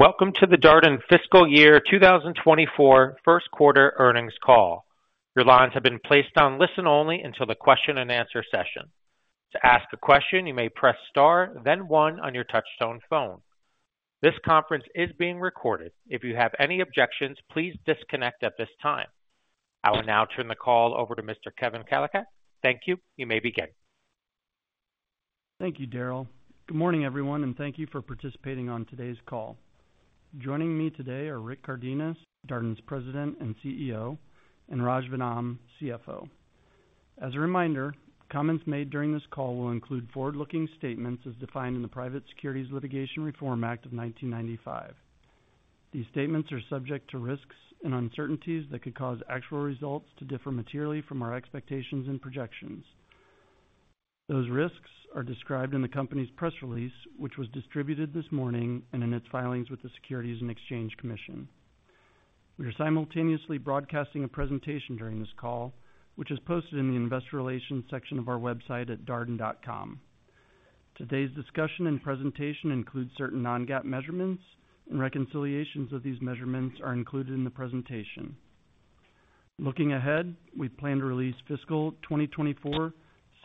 Welcome to the Darden Fiscal Year 2024 first quarter earnings call. Your lines have been placed on listen-only until the question-and-answer session. To ask a question, you may press Star, then One on your touchtone phone. This conference is being recorded. If you have any objections, please disconnect at this time. I will now turn the call over to Mr. Kevin Kalicak. Thank you. You may begin. Thank you, Daryl. Good morning, everyone, and thank you for participating on today's call. Joining me today are Rick Cardenas, Darden's President and CEO, and Raj Vennam, CFO. As a reminder, comments made during this call will include forward-looking statements as defined in the Private Securities Litigation Reform Act of 1995. These statements are subject to risks and uncertainties that could cause actual results to differ materially from our expectations and projections. Those risks are described in the company's press release, which was distributed this morning and in its filings with the Securities and Exchange Commission. We are simultaneously broadcasting a presentation during this call, which is posted in the Investor Relations section of our website at darden.com. Today's discussion and presentation include certain non-GAAP measurements, and reconciliations of these measurements are included in the presentation. Looking ahead, we plan to release fiscal 2024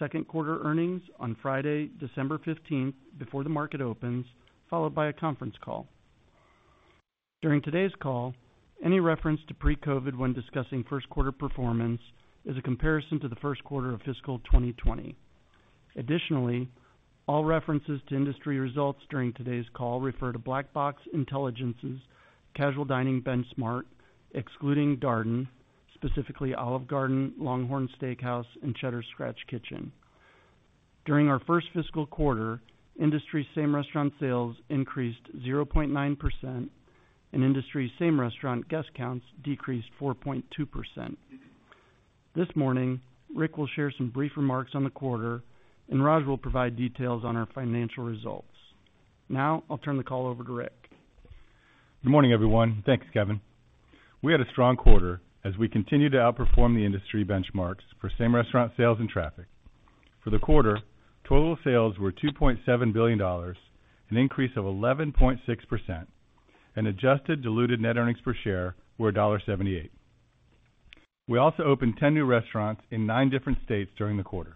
second quarter earnings on Friday, December 15, before the market opens, followed by a conference call. During today's call, any reference to pre-COVID when discussing first quarter performance is a comparison to the first quarter of fiscal 2020. Additionally, all references to industry results during today's call refer to Black Box Intelligence's Casual Dining Benchmark, excluding Darden, specifically Olive Garden, LongHorn Steakhouse, and Cheddar's Scratch Kitchen. During our first fiscal quarter, industry same-restaurant sales increased 0.9%, and industry same-restaurant guest counts decreased 4.2%. This morning, Rick will share some brief remarks on the quarter, and Raj will provide details on our financial results. Now, I'll turn the call over to Rick. Good morning, everyone. Thanks, Kevin. We had a strong quarter as we continued to outperform the industry benchmarks for same-restaurant sales and traffic. For the quarter, total sales were $2.7 billion, an increase of 11.6%, and adjusted diluted net earnings per share were $1.78. We also opened 10 new restaurants in 9 different states during the quarter.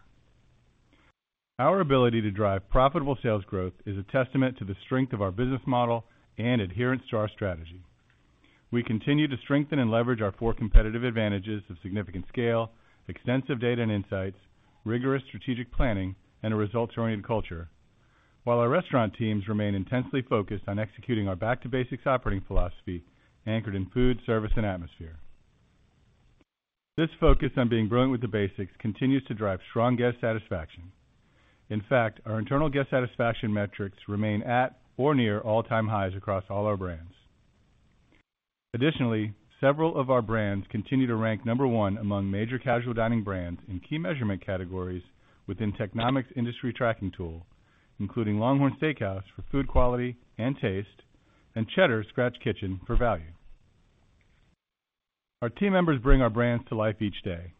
Our ability to drive profitable sales growth is a testament to the strength of our business model and adherence to our strategy. We continue to strengthen and leverage our 4 competitive advantages of significant scale, extensive data and insights, rigorous strategic planning, and a results-oriented culture. While our restaurant teams remain intensely focused on executing our back-to-basics operating philosophy, anchored in food, service, and atmosphere. This focus on being brilliant with the basics continues to drive strong guest satisfaction. In fact, our internal guest satisfaction metrics remain at or near all-time highs across all our brands. Additionally, several of our brands continue to rank number one among major casual dining brands in key measurement categories within Technomic's industry tracking tool, including LongHorn Steakhouse for food quality and taste, and Cheddar's Scratch Kitchen for value. Our team members bring our brands to life each day,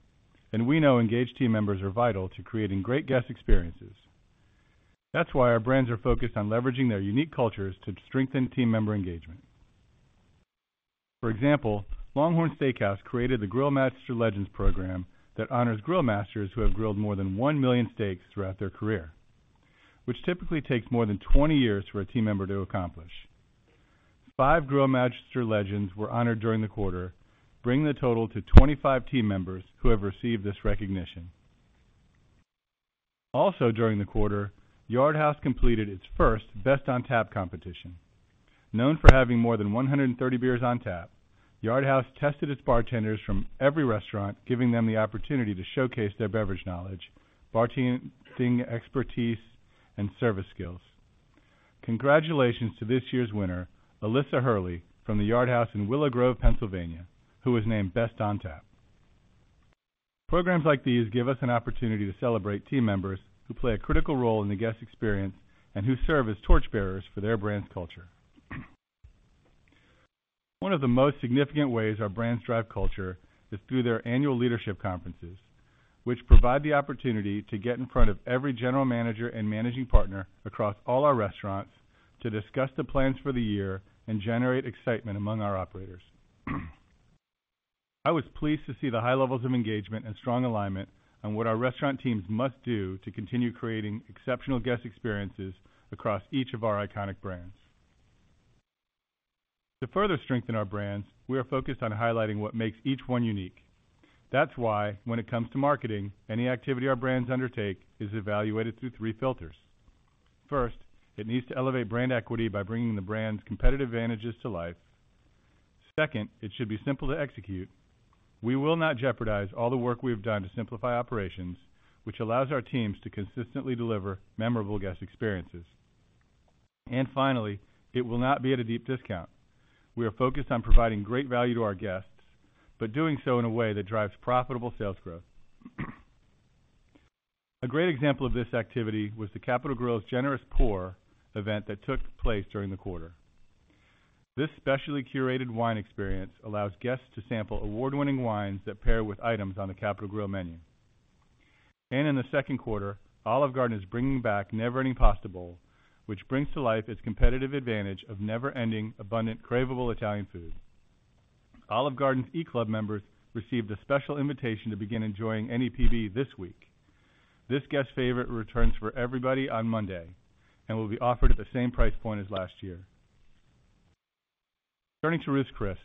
and we know engaged team members are vital to creating great guest experiences. That's why our brands are focused on leveraging their unique cultures to strengthen team member engagement. For example, LongHorn Steakhouse created the Grill Master Legends program that honors grill masters who have grilled more than 1 million steaks throughout their career, which typically takes more than 20 years for a team member to accomplish. 5 Grill Master Legends were honored during the quarter, bringing the total to 25 team members who have received this recognition. Also, during the quarter, Yard House completed its first Best on Tap competition. Known for having more than 130 beers on tap, Yard House tested its bartenders from every restaurant, giving them the opportunity to showcase their beverage knowledge, bartending expertise, and service skills. Congratulations to this year's winner, Alyssa Hurley, from the Yard House in Willow Grove, Pennsylvania, who was named Best on Tap. Programs like these give us an opportunity to celebrate team members who play a critical role in the guest experience and who serve as torchbearers for their brand's culture. One of the most significant ways our brands drive culture is through their annual leadership conferences, which provide the opportunity to get in front of every general manager and managing partner across all our restaurants to discuss the plans for the year and generate excitement among our operators. I was pleased to see the high levels of engagement and strong alignment on what our restaurant teams must do to continue creating exceptional guest experiences across each of our iconic brands. To further strengthen our brands, we are focused on highlighting what makes each one unique. That's why when it comes to marketing, any activity our brands undertake is evaluated through three filters. First, it needs to elevate brand equity by bringing the brand's competitive advantages to life. Second, it should be simple to execute. We will not jeopardize all the work we have done to simplify operations, which allows our teams to consistently deliver memorable guest experiences. Finally, it will not be at a deep discount. We are focused on providing great value to our guests but doing so in a way that drives profitable sales growth. A great example of this activity was The Capital Grille's Generous Pour event that took place during the quarter. This specially curated wine experience allows guests to sample award-winning wines that pair with items on The Capital Grille menu. In the second quarter, Olive Garden is bringing back Never-Ending Pasta Bowl, which brings to life its competitive advantage of never-ending, abundant, cravable Italian food. Olive Garden's eClub members received a special invitation to begin enjoying NEPB this week. This guest favorite returns for everybody on Monday and will be offered at the same price point as last year. Turning to Ruth's Chris.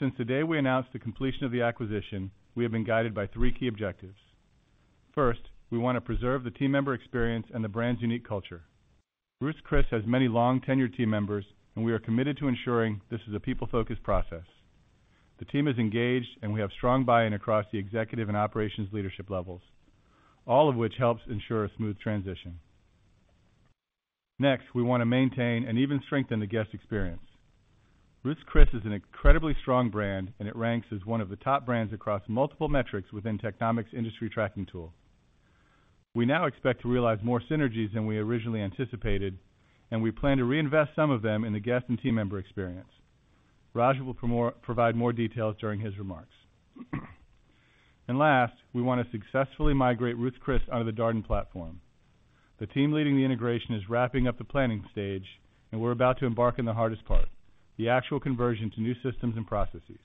Since the day we announced the completion of the acquisition, we have been guided by three key objectives: First, we want to preserve the team member experience and the brand's unique culture. Ruth's Chris has many long-tenured team members, and we are committed to ensuring this is a people-focused process. The team is engaged, and we have strong buy-in across the executive and operations leadership levels, all of which helps ensure a smooth transition. Next, we want to maintain and even strengthen the guest experience. Ruth's Chris is an incredibly strong brand, and it ranks as one of the top brands across multiple metrics within Technomic's industry tracking tool. We now expect to realize more synergies than we originally anticipated, and we plan to reinvest some of them in the guest and team member experience. Raj will provide more details during his remarks. And last, we want to successfully migrate Ruth's Chris onto the Darden platform. The team leading the integration is wrapping up the planning stage, and we're about to embark on the hardest part, the actual conversion to new systems and processes.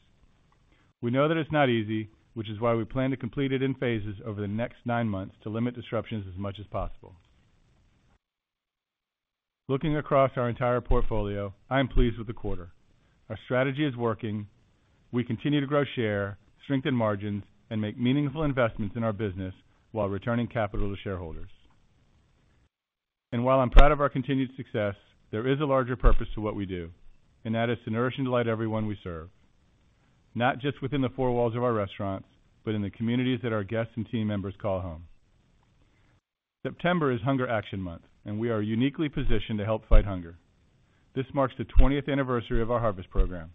We know that it's not easy, which is why we plan to complete it in phases over the next nine months to limit disruptions as much as possible. Looking across our entire portfolio, I am pleased with the quarter. Our strategy is working. We continue to grow share, strengthen margins, and make meaningful investments in our business, while returning capital to shareholders. While I'm proud of our continued success, there is a larger purpose to what we do, and that is to nourish and delight everyone we serve, not just within the four walls of our restaurants, but in the communities that our guests and team members call home. September is Hunger Action Month, and we are uniquely positioned to help fight hunger. This marks the 20th anniversary of our Harvest Program.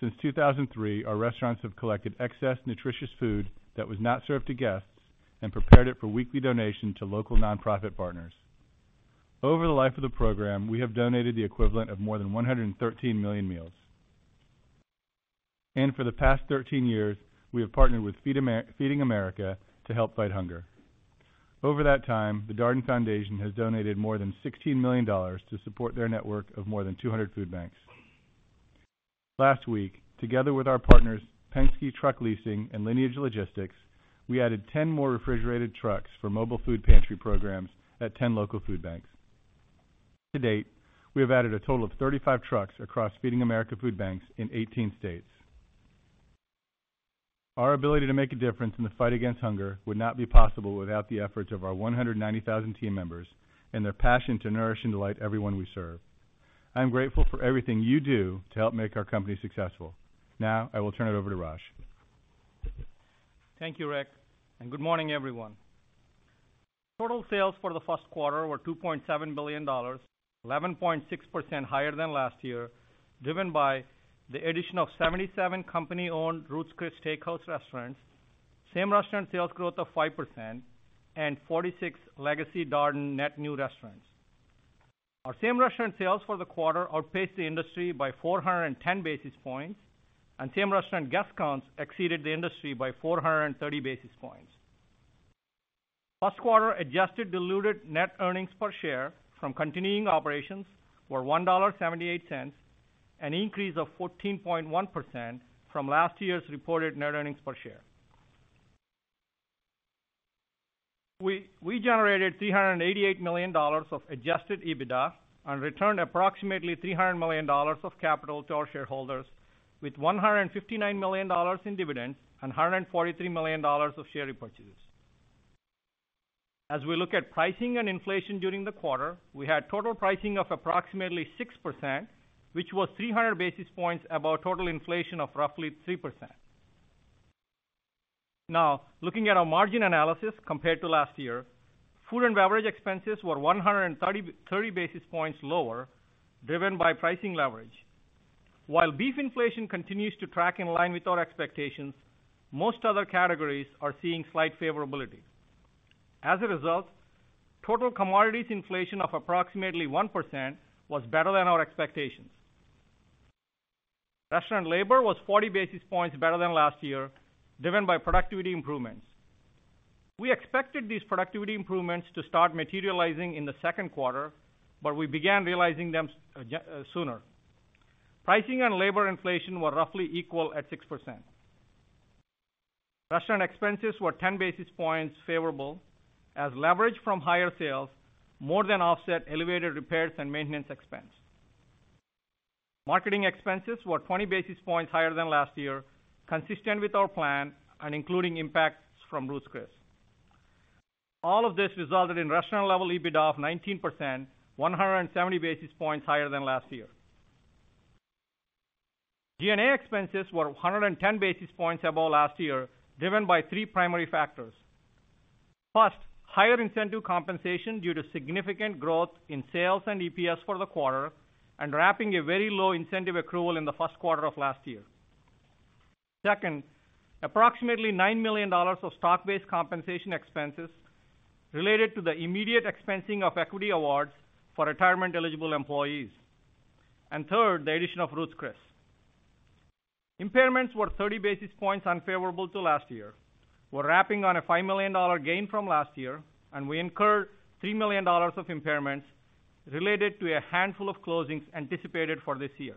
Since 2003, our restaurants have collected excess nutritious food that was not served to guests and prepared it for weekly donation to local nonprofit partners. Over the life of the program, we have donated the equivalent of more than 113 million meals. For the past 13 years, we have partnered with Feeding America to help fight hunger. Over that time, the Darden Foundation has donated more than $16 million to support their network of more than 200 food banks. Last week, together with our partners, Penske Truck Leasing and Lineage Logistics, we added 10 more refrigerated trucks for mobile food pantry programs at 10 local food banks. To date, we have added a total of 35 trucks across Feeding America food banks in 18 states. Our ability to make a difference in the fight against hunger would not be possible without the efforts of our 190,000 team members and their passion to nourish and delight everyone we serve. I'm grateful for everything you do to help make our company successful. Now, I will turn it over to Raj. Thank you, Rick, and good morning, everyone. Total sales for the first quarter were $2.7 billion, 11.6% higher than last year, driven by the addition of 77 company-owned Ruth's Chris Steakhouse restaurants, same-restaurant sales growth of 5%, and 46 legacy Darden net new restaurants. Our same-restaurant sales for the quarter outpaced the industry by 410 basis points, and same-restaurant guest counts exceeded the industry by 430 basis points. First quarter adjusted diluted net earnings per share from continuing operations were $1.78, an increase of 14.1% from last year's reported net earnings per share. We generated $388 million of Adjusted EBITDA and returned approximately $300 million of capital to our shareholders, with $159 million in dividends and $143 million of share repurchases. As we look at pricing and inflation during the quarter, we had total pricing of approximately 6%, which was 300 basis points above total inflation of roughly 3%. Now, looking at our margin analysis compared to last year, food and beverage expenses were 130 basis points lower, driven by pricing leverage. While beef inflation continues to track in line with our expectations, most other categories are seeing slight favorability. As a result, total commodities inflation of approximately 1% was better than our expectations. Restaurant labor was 40 basis points better than last year, driven by productivity improvements. We expected these productivity improvements to start materializing in the second quarter, but we began realizing them sooner. Pricing and labor inflation were roughly equal at 6%. Restaurant expenses were 10 basis points favorable, as leverage from higher sales more than offset elevated repairs and maintenance expense. Marketing expenses were 20 basis points higher than last year, consistent with our plan and including impacts from Ruth's Chris. All of this resulted in restaurant-level EBITDA of 19%, 170 basis points higher than last year. G&A expenses were 110 basis points above last year, driven by three primary factors. First, higher incentive compensation due to significant growth in sales and EPS for the quarter and wrapping a very low incentive accrual in the first quarter of last year. Second, approximately $9 million of stock-based compensation expenses related to the immediate expensing of equity awards for retirement-eligible employees. And third, the addition of Ruth's Chris.... Impairments were 30 basis points unfavorable to last year. We're lapping a $5 million gain from last year, and we incurred $3 million of impairments related to a handful of closings anticipated for this year.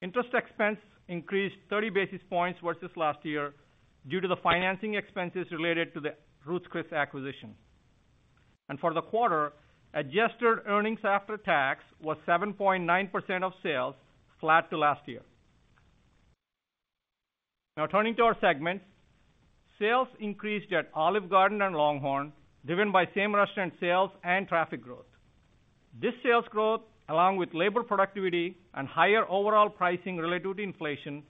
Interest expense increased 30 basis points versus last year due to the financing expenses related to the Ruth's Chris acquisition. And for the quarter, adjusted earnings after tax was 7.9% of sales, flat to last year. Now, turning to our segments. Sales increased at Olive Garden and LongHorn, driven by same restaurant sales and traffic growth. This sales growth, along with labor productivity and higher overall pricing related to inflation,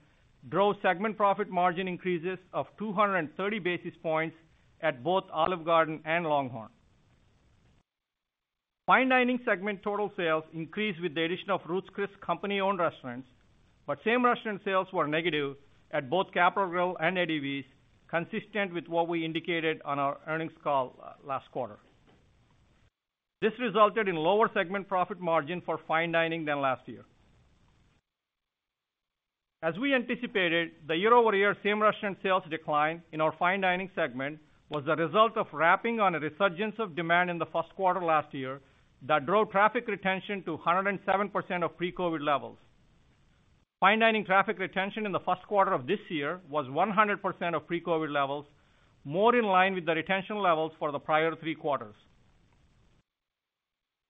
drove segment profit margin increases of 230 basis points at both Olive Garden and LongHorn. Fine dining segment total sales increased with the addition of Ruth's Chris company-owned restaurants, but same-restaurant sales were negative at both Capital Grille and Eddie V's, consistent with what we indicated on our earnings call last quarter. This resulted in lower segment profit margin for fine dining than last year. As we anticipated, the year-over-year same-restaurant sales decline in our fine dining segment was a result of wrapping on a resurgence of demand in the first quarter last year that drove traffic retention to 107% of pre-COVID levels. Fine dining traffic retention in the first quarter of this year was 100% of pre-COVID levels, more in line with the retention levels for the prior 3 quarters.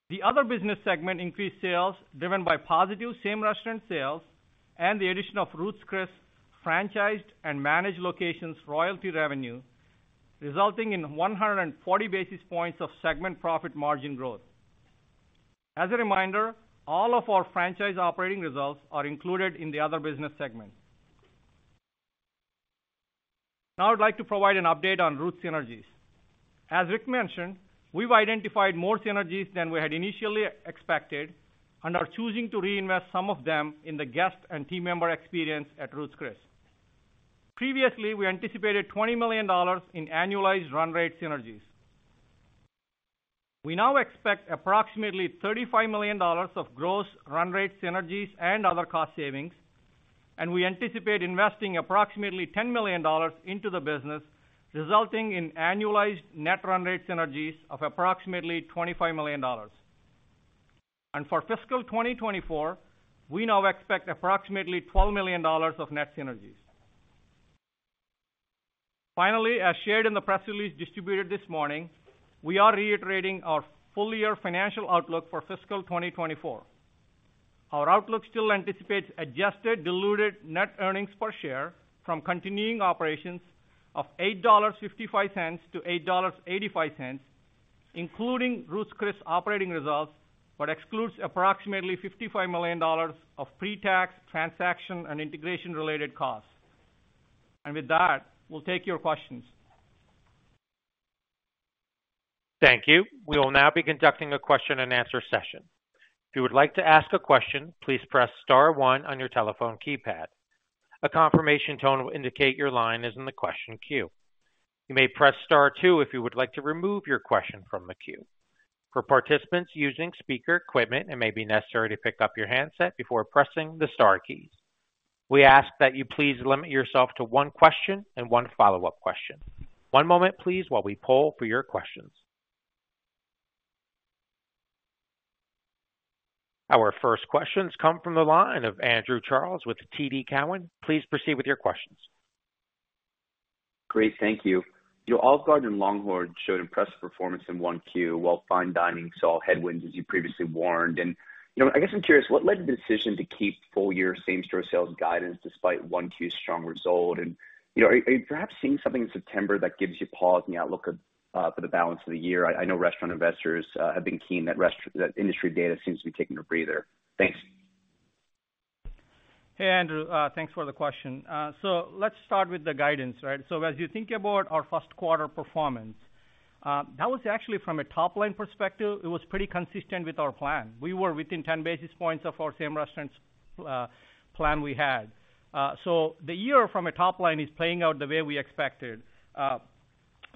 The other business segment increased sales, driven by positive same-restaurant sales and the addition of Ruth's Chris franchised and managed locations royalty revenue, resulting in 140 basis points of segment profit margin growth. As a reminder, all of our franchise operating results are included in the other business segment. Now I'd like to provide an update on Ruth's synergies. As Rick mentioned, we've identified more synergies than we had initially expected and are choosing to reinvest some of them in the guest and team member experience at Ruth's Chris. Previously, we anticipated $20 million in annualized run rate synergies. We now expect approximately $35 million of gross run rate synergies and other cost savings, and we anticipate investing approximately $10 million into the business, resulting in annualized net run rate synergies of approximately $25 million. For fiscal 2024, we now expect approximately $12 million of net synergies. Finally, as shared in the press release distributed this morning, we are reiterating our full-year financial outlook for fiscal 2024. Our outlook still anticipates adjusted diluted net earnings per share from continuing operations of $8.55-$8.85, including Ruth's Chris operating results, but excludes approximately $55 million of pre-tax, transaction, and integration-related costs. And with that, we'll take your questions. Thank you. We will now be conducting a question-and-answer session. If you would like to ask a question, please press star one on your telephone keypad. A confirmation tone will indicate your line is in the question queue. You may press star two if you would like to remove your question from the queue. For participants using speaker equipment, it may be necessary to pick up your handset before pressing the star keys. We ask that you please limit yourself to one question and one follow-up question. One moment, please, while we poll for your questions. Our first questions come from the line of Andrew Charles with TD Cowen. Please proceed with your questions. Great, thank you. Your Olive Garden and LongHorn showed impressive performance in Q1, while fine dining saw headwinds, as you previously warned. You know, I guess I'm curious, what led to the decision to keep full-year same-store sales guidance despite Q1's strong result? You know, are you perhaps seeing something in September that gives you pause in the outlook for the balance of the year? I know restaurant investors, you know, have been keen that rest- that industry data seems to be taking a breather. Thanks. Hey, Andrew, thanks for the question. So, let's start with the guidance, right? So. as you think about our first quarter performance, that was actually from a top-line perspective, it was pretty consistent with our plan. We were within ten basis points of our same restaurants plan we had. So, the year from a top line is playing out the way we expected.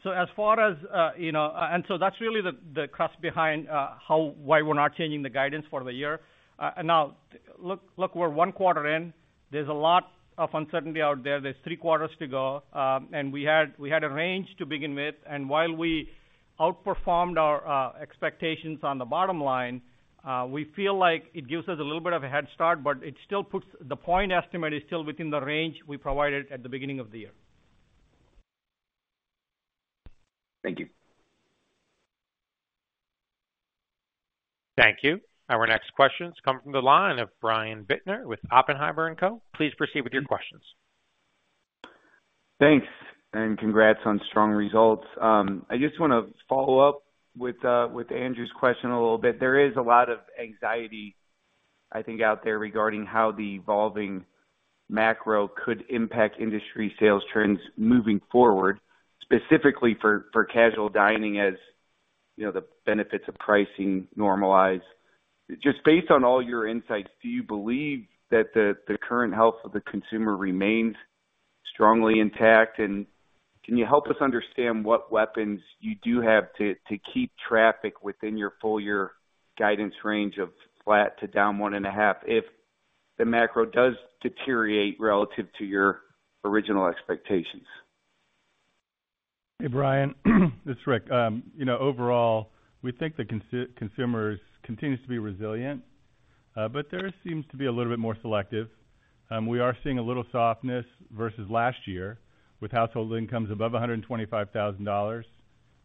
So as far as, you know... And so that's really the crux behind how, why we're not changing the guidance for the year. Now, look, we're one quarter in. There's a lot of uncertainty out there. There's three quarters to go, and we had a range to begin with, and while we outperformed our expectations on the bottom line, we feel like it gives us a little bit of a head start, but it still puts the point estimate is still within the range we provided at the beginning of the year. Thank you. Thank you. Our next questions come from the line of Brian Bittner with Oppenheimer & Co. Please proceed with your questions. Thanks, and congrats on strong results. I just wanna follow up with Andrew's question a little bit. There is a lot of anxiety, I think, out there, regarding how the evolving macro could impact industry sales trends moving forward, specifically for casual dining, as you know, the benefits of pricing normalize. Just based on all your insights, do you believe that the current health of the consumer remains... strongly intact? And can you help us understand what weapons you do have to keep traffic within your full year guidance range of flat to down 1.5, if the macro does deteriorate relative to your original expectations? Hey, Brian, this is Rick. You know, overall, we think the consumers continues to be resilient, but there seems to be a little bit more selective. We are seeing a little softness versus last year with household incomes above $125,000,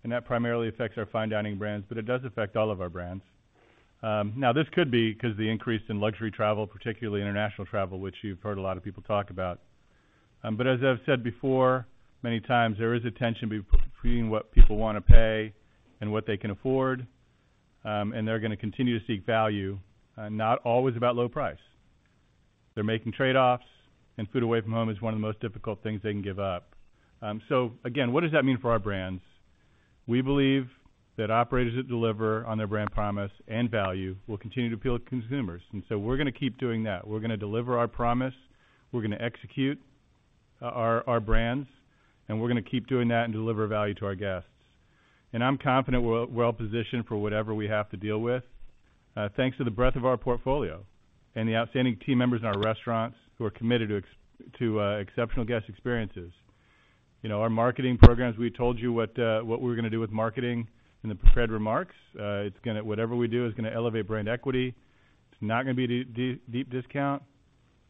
and that primarily affects our fine dining brands, but it does affect all of our brands. Now, this could be because the increase in luxury travel, particularly international travel, which you've heard a lot of people talk about. But as I've said before, many times, there is a tension between what people want to pay and what they can afford, and they're gonna continue to seek value, not always about low price. They're making trade-offs, and food away from home is one of the most difficult things they can give up. So again, what does that mean for our brands? We believe that operators that deliver on their brand promise and value will continue to appeal to consumers, and so we're gonna keep doing that. We're gonna deliver our promise, we're gonna execute our brands, and we're gonna keep doing that and deliver value to our guests. And I'm confident we're well positioned for whatever we have to deal with, thanks to the breadth of our portfolio and the outstanding team members in our restaurants who are committed to exceptional guest experiences. You know, our marketing programs, we told you what we're gonna do with marketing in the prepared remarks. It's gonna whatever we do is gonna elevate brand equity. It's not gonna be deep discount,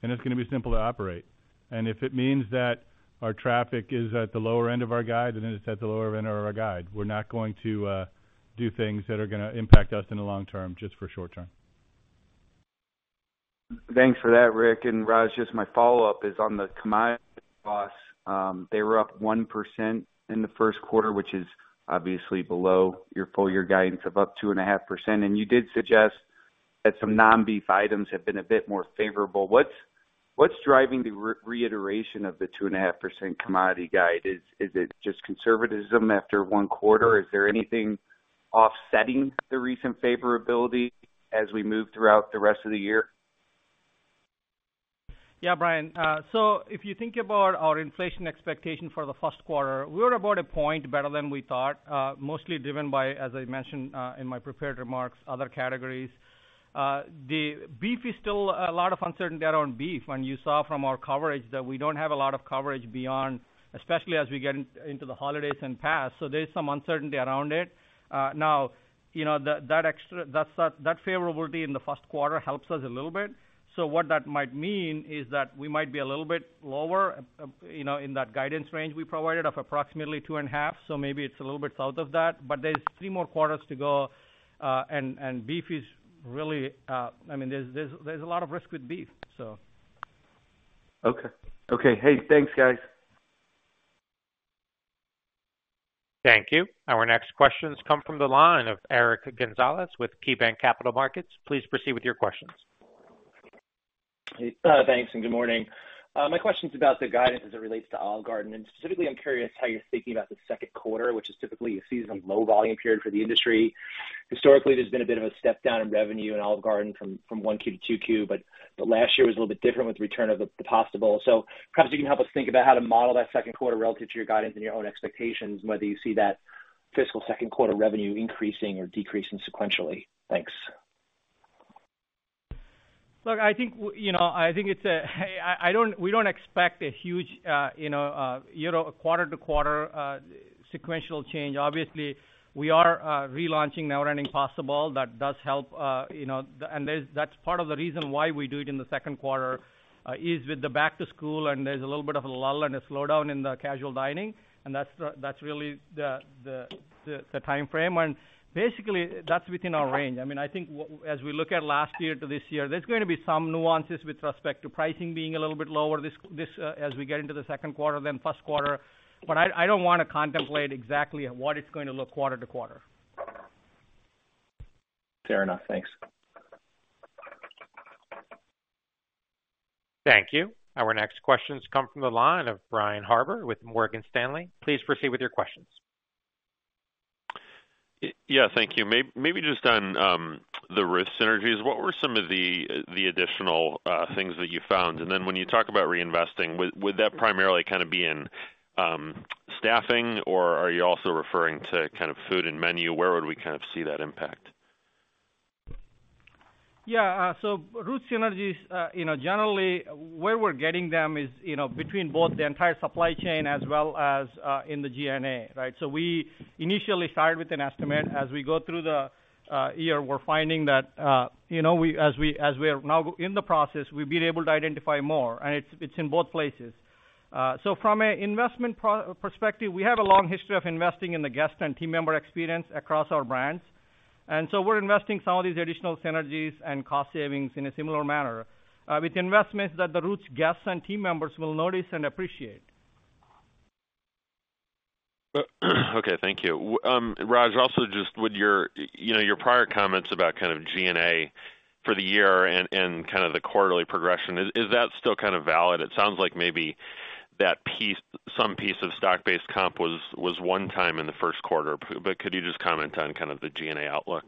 and it's gonna be simple to operate. If it means that our traffic is at the lower end of our guide, then it's at the lower end of our guide. We're not going to do things that are gonna impact us in the long term, just for short term. Thanks for that, Rick. Raj, just my follow-up is on the commodity costs. They were up 1% in the first quarter, which is obviously below your full year guidance of up 2.5%. You did suggest that some non-beef items have been a bit more favorable. What's driving the reiteration of the 2.5% commodity guide? Is it just conservatism after one quarter? Is there anything offsetting the recent favorability as we move throughout the rest of the year? Yeah, Brian. If you think about our inflation expectation for the first quarter, we were about 1 point better than we thought, mostly driven by, as I mentioned in my prepared remarks, other categories. The beef is still a lot of uncertainty around beef. You saw from our coverage that we don't have a lot of coverage beyond, especially as we get into the holidays and past. There is some uncertainty around it. Now, you know, that extra, that favorability in the first quarter helps us a little bit. What that might mean is that we might be a little bit lower, you know, in that guidance range we provided of approximately 2.5, so maybe it's a little bit south of that, but there's three more quarters to go, and beef is really, I mean, there's a lot of risk with beef, so. Okay. Okay. Hey, thanks, guys. Thank you. Our next questions come from the line of Eric Gonzalez with KeyBanc Capital Markets. Please proceed with your questions. Thanks, and good morning. My question is about the guidance as it relates to Olive Garden, and specifically, I'm curious how you're thinking about the second quarter, which is typically a season of low volume period for the industry. Historically, there's been a bit of a step down in revenue in Olive Garden from one Q to two Q, but last year was a little bit different with the return of the Possible. So, perhaps you can help us think about how to model that second quarter relative to your guidance and your own expectations, whether you see that fiscal second quarter revenue increasing or decreasing sequentially. Thanks. Look, I think, you know, I think it's a, I don't, we don't expect a huge, you know, year-over-quarter to quarter, sequential change. Obviously, we are relaunching Now Running Possible. That does help, you know, the-- and there's, that's part of the reason why we do it in the second quarter, is with the back to school, and there's a little bit of a lull and a slowdown in the casual dining, and that's the, that's really the, the, the time frame. Basically, that's within our range. I mean, I think as we look at last year to this year, there's gonna be some nuances with respect to pricing being a little bit lower this, this, as we get into the second quarter than first quarter. But I don't wanna contemplate exactly at what it's gonna look quarter to quarter. Fair enough. Thanks. Thank you. Our next questions come from the line of Brian Harbour with Morgan Stanley. Please proceed with your questions. Yeah, thank you. Maybe just on the Ruth's synergies, what were some of the additional things that you found? And then when you talk about reinvesting, would that primarily kind of be in staffing, or are you also referring to kind of food and menu? Where would we kind of see that impact? Yeah, so Ruth's synergies, you know, generally, where we're getting them is, you know, between both the entire supply chain as well as in the GNA, right? So, we initially started with an estimate. As we go through the year, we're finding that, you know, as we are now in the process, we've been able to identify more, and it's in both places. So, from an investment perspective, we have a long history of investing in the guest and team member experience across our brands. And so, we're investing some of these additional synergies and cost savings in a similar manner, with investments that the Ruth's guests and team members will notice and appreciate. Okay, thank you. Raj, also, just with your, you know, your prior comments about kind of G&A for the year and kind of the quarterly progression, is that still kind of valid? It sounds like maybe that piece, some piece of stock-based comp was one time in the first quarter, but could you just comment on kind of the G&A outlook?...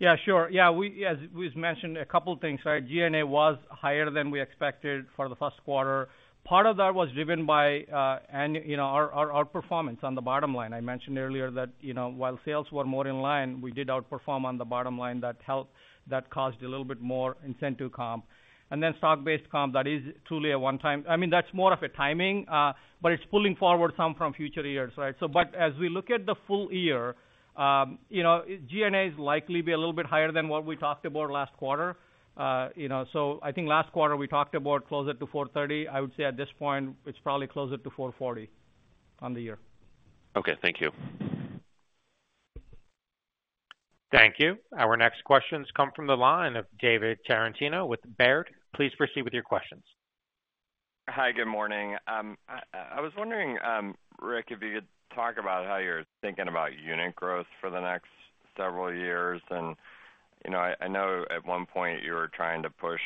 Yeah, sure. Yeah, we, as we mentioned, a couple of things, right? G&A was higher than we expected for the first quarter. Part of that was driven by you know, our performance on the bottom line. I mentioned earlier that, you know, while sales were more in line, we did outperform on the bottom line. That helped, that caused a little bit more incentive comp. And then stock-based comp, that is truly one-time. I mean, that's more of a timing, but it's pulling forward some from future years, right? So, but as we look at the full year, you know, G&A is likely be a little bit higher than what we talked about last quarter, you know. So, I think last quarter, we talked about closer to $430. I would say at this point, it's probably closer to 4.40 on the year. Okay, thank you. Thank you. Our next questions come from the line of David Tarantino with Baird. Please proceed with your questions. Hi, good morning. I was wondering, Rick, if you could talk about how you're thinking about unit growth for the next several years. And, you know, I know at one point you were trying to push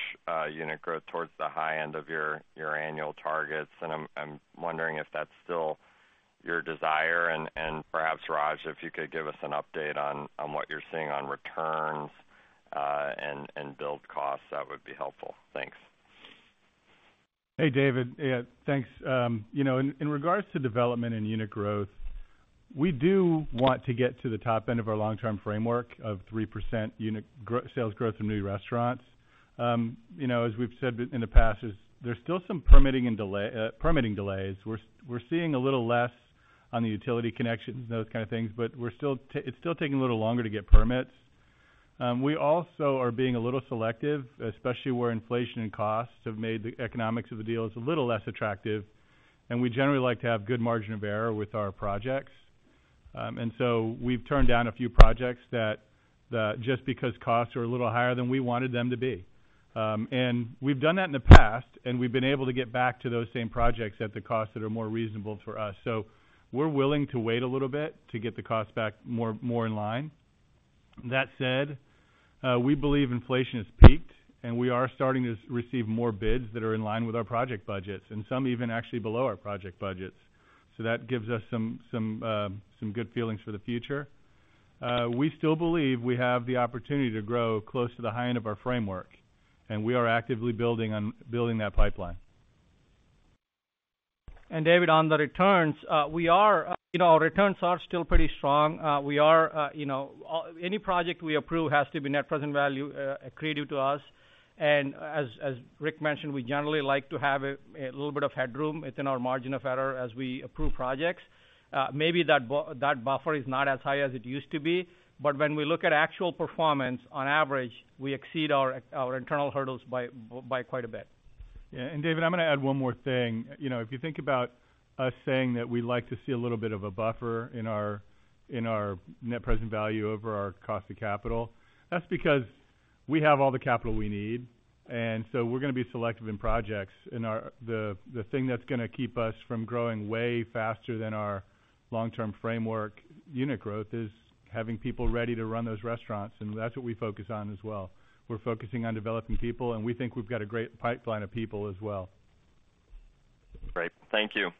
unit growth towards the high end of your annual targets, and I'm wondering if that's still your desire, and perhaps, Raj, if you could give us an update on what you're seeing on returns and build costs, that would be helpful. Thanks. Hey, David. Yeah, thanks. You know, in regards to development and unit growth, we do want to get to the top end of our long-term framework of 3% unit sales growth in new restaurants. You know, as we've said in the past, there's still some permitting delays. We're seeing a little less on the utility connections, those kind of things, but it's still taking a little longer to get permits. We also are being a little selective, especially where inflation and costs have made the economics of the deals a little less attractive, and we generally like to have good margin of error with our projects. And so we've turned down a few projects that, just because costs are a little higher than we wanted them to be. And we've done that in the past, and we've been able to get back to those same projects at the costs that are more reasonable for us. So, we're willing to wait a little bit to get the cost back more in line. That said, we believe inflation has peaked, and we are starting to receive more bids that are in line with our project budgets, and some even actually below our project budgets. So, that gives us some good feelings for the future. We still believe we have the opportunity to grow close to the high end of our framework, and we are actively building that pipeline. David, on the returns, we are, you know, returns are still pretty strong. We are, you know, any project we approve has to be net present value accretive to us. As Rick mentioned, we generally like to have a little bit of headroom. It's in our margin of error as we approve projects. Maybe that buffer is not as high as it used to be, but when we look at actual performance, on average, we exceed our internal hurdles by quite a bit. Yeah, and David, I'm going to add one more thing. You know, if you think about us saying that we like to see a little bit of a buffer in our, in our net present value over our cost of capital, that's because we have all the capital we need, and so we're going to be selective in projects. And our- the, the thing that's going to keep us from growing way faster than our long-term framework unit growth is having people ready to run those restaurants, and that's what we focus on as well. We're focusing on developing people, and we think we've got a great pipeline of people as well. Great. Thank you.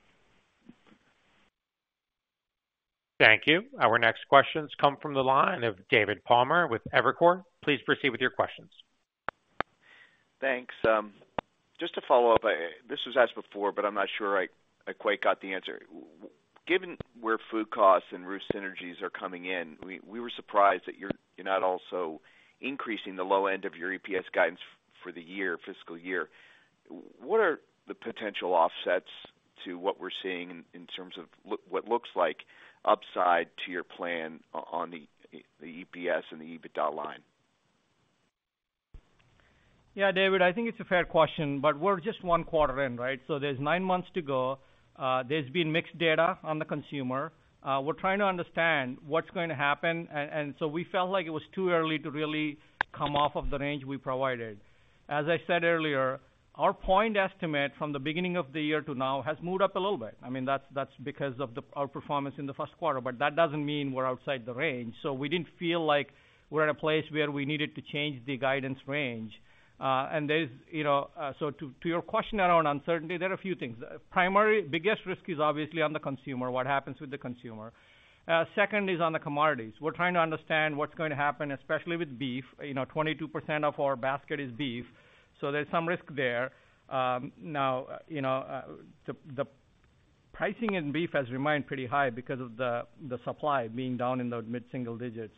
Thank you. Our next questions come from the line of David Palmer with Evercore. Please proceed with your questions. Thanks. Just to follow up, this was asked before, but I'm not sure I quite got the answer. Given where food costs and Ruth's synergies are coming in, we were surprised that you're not also increasing the low end of your EPS guidance for the year, fiscal year. What are the potential offsets to what we're seeing in terms of what looks like upside to your plan on the EPS and the EBITDA line? Yeah, David, I think it's a fair question, but we're just one quarter in, right? So there's nine months to go. There's been mixed data on the consumer. We're trying to understand what's going to happen, and so we felt like it was too early to really come off of the range we provided. As I said earlier, our point estimate from the beginning of the year to now has moved up a little bit. I mean, that's because of our performance in the first quarter, but that doesn't mean we're outside the range. So we didn't feel like we're at a place where we needed to change the guidance range. And there's, you know, so to your question around uncertainty, there are a few things. Primarily, biggest risk is obviously on the consumer, what happens with the consumer. Second is on the commodities. We're trying to understand what's going to happen, especially with beef. You know, 22% of our basket is beef, so there's some risk there. You know, the pricing in beef has remained pretty high because of the supply being down in the mid-single digits.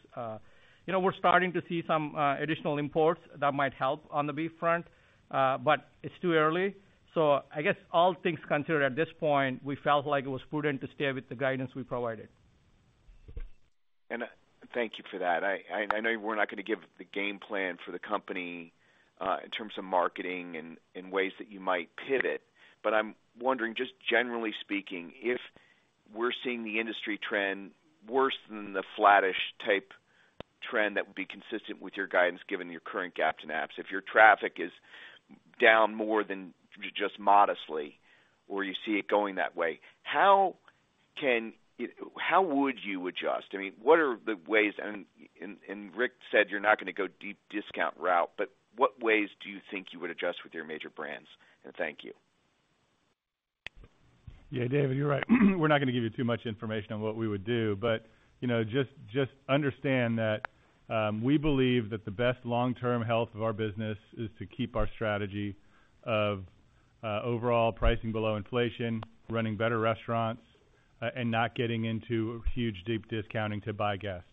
You know, we're starting to see some additional imports that might help on the beef front, but it's too early. I guess all things considered, at this point, we felt like it was prudent to stay with the guidance we provided. And thank you for that. I know you were not going to give the game plan for the company in terms of marketing and ways that you might pivot, but I'm wondering, just generally speaking, if we're seeing the industry trend worse than the flattish type trend, that would be consistent with your guidance, given your current gaps in apps. If your traffic is down more than just modestly or you see it going that way, how would you adjust? I mean, what are the ways, and Rick said, you're not going to go deep discount route, but what ways do you think you would adjust with your major brands? And thank you.... Yeah, David, you're right. We're not going to give you too much information on what we would do, but, you know, just understand that we believe that the best long-term health of our business is to keep our strategy of, overall pricing below inflation, running better restaurants, and not getting into huge, deep discounting to buy guests.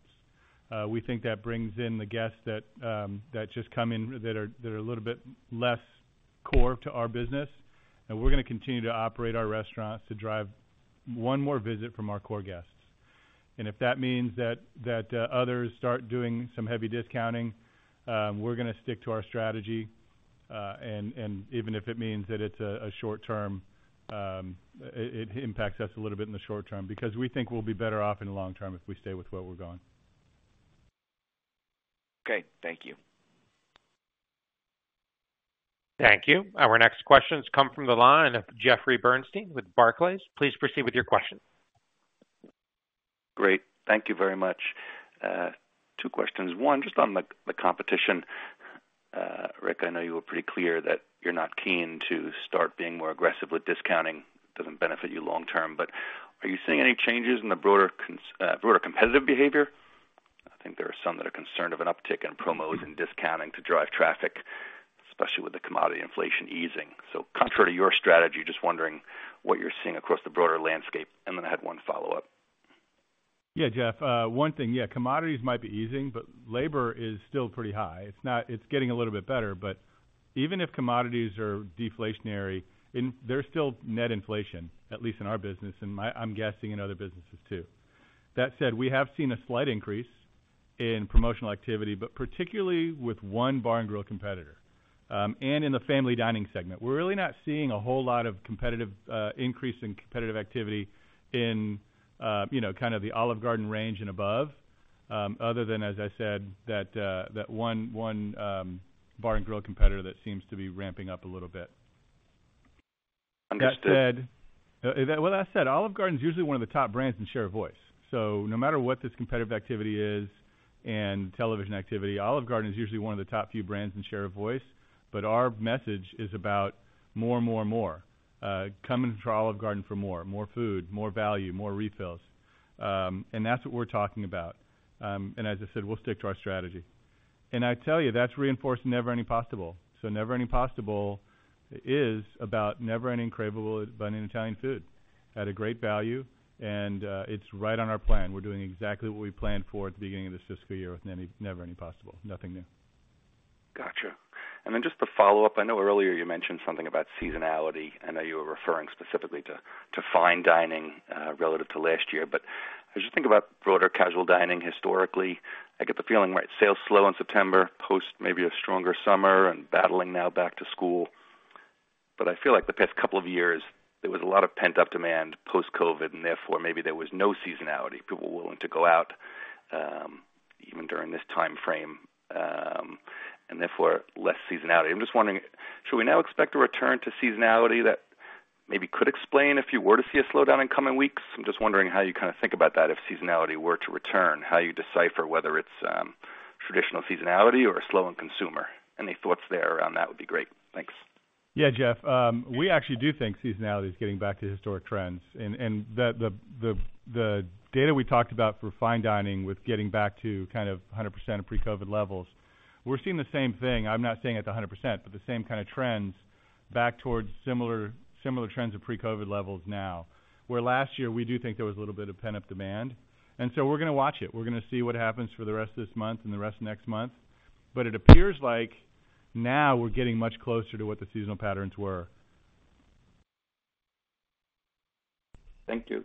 We think that brings in the guests that are a little bit less core to our business, and we're going to continue to operate our restaurants to drive one more visit from our core guests. If that means that others start doing some heavy discounting, we're going to stick to our strategy, and even if it means that it's a short term, it impacts us a little bit in the short term, because we think we'll be better off in the long term if we stay with where we're going. Okay. Thank you. Thank you. Our next questions come from the line of Jeffrey Bernstein with Barclays. Please proceed with your question. Great. Thank you very much. Two questions. One, just on the competition. Rick, I know you were pretty clear that you're not keen to start being more aggressive with discounting, doesn't benefit you long term, but are you seeing any changes in the broader competitive behavior? I think there are some that are concerned of an uptick in promos and discounting to drive traffic, especially with the commodity inflation easing. So, contrary to your strategy just wondering what you're seeing across the broader landscape. And then I had one follow-up. Yeah, Jeff, one thing, yeah, commodities might be easing, but labor is still pretty high. It's not— It's getting a little bit better, but even if commodities are deflationary, there's still net inflation, at least in our business, and I'm guessing in other businesses, too. That said, we have seen a slight increase in promotional activity, but particularly with one bar and grill competitor, and in the family dining segment. We're really not seeing a whole lot of competitive increase in competitive activity in, you know, kind of the Olive Garden range and above, other than, as I said, that one bar and grill competitor that seems to be ramping up a little bit. Understood. That said, well, as I said, Olive Garden is usually one of the top brands in share of voice. So no matter what this competitive activity is and television activity, Olive Garden is usually one of the top few brands in share of voice, but our message is about more, more, more. Come into our Olive Garden for more: more food, more value, more refills. And that's what we're talking about. And as I said, we'll stick to our strategy. And I tell you, that's reinforced Never Ending Pasta Bowl. So Never Ending Pasta Bowl is about never-ending craveable Italian food at a great value, and it's right on our plan. We're doing exactly what we planned for at the beginning of this fiscal year with Never Ending Pasta Bowl. Nothing new. Gotcha. And then just to follow up, I know earlier you mentioned something about seasonality. I know you were referring specifically to fine dining relative to last year. But as you think about broader casual dining historically, I get the feeling, right, sales slow in September, post maybe a stronger summer and battling now back to school. But I feel like the past couple of years, there was a lot of pent-up demand post-COVID, and therefore, maybe there was no seasonality. People were willing to go out even during this timeframe and therefore, less seasonality. I'm just wondering, should we now expect a return to seasonality that maybe could explain if you were to see a slowdown in coming weeks? I'm just wondering how you think about that, if seasonality were to return, how you decipher whether it's traditional seasonality or slow in consumer. Any thoughts there around that? Would be great. Thanks. Yeah, Jeff, we actually do think seasonality is getting back to historic trends, and the data we talked about for fine dining with getting back to kind of 100% of pre-COVID levels, we're seeing the same thing. I'm not saying it's 100%, but the same trends back towards similar trends of pre-COVID levels now, where last year we do think there was a little bit of pent-up demand. And so, we're going to watch it. We're going to see what happens for the rest of this month and the rest of next month. But it appears like now we're getting much closer to what the seasonal patterns were. Thank you.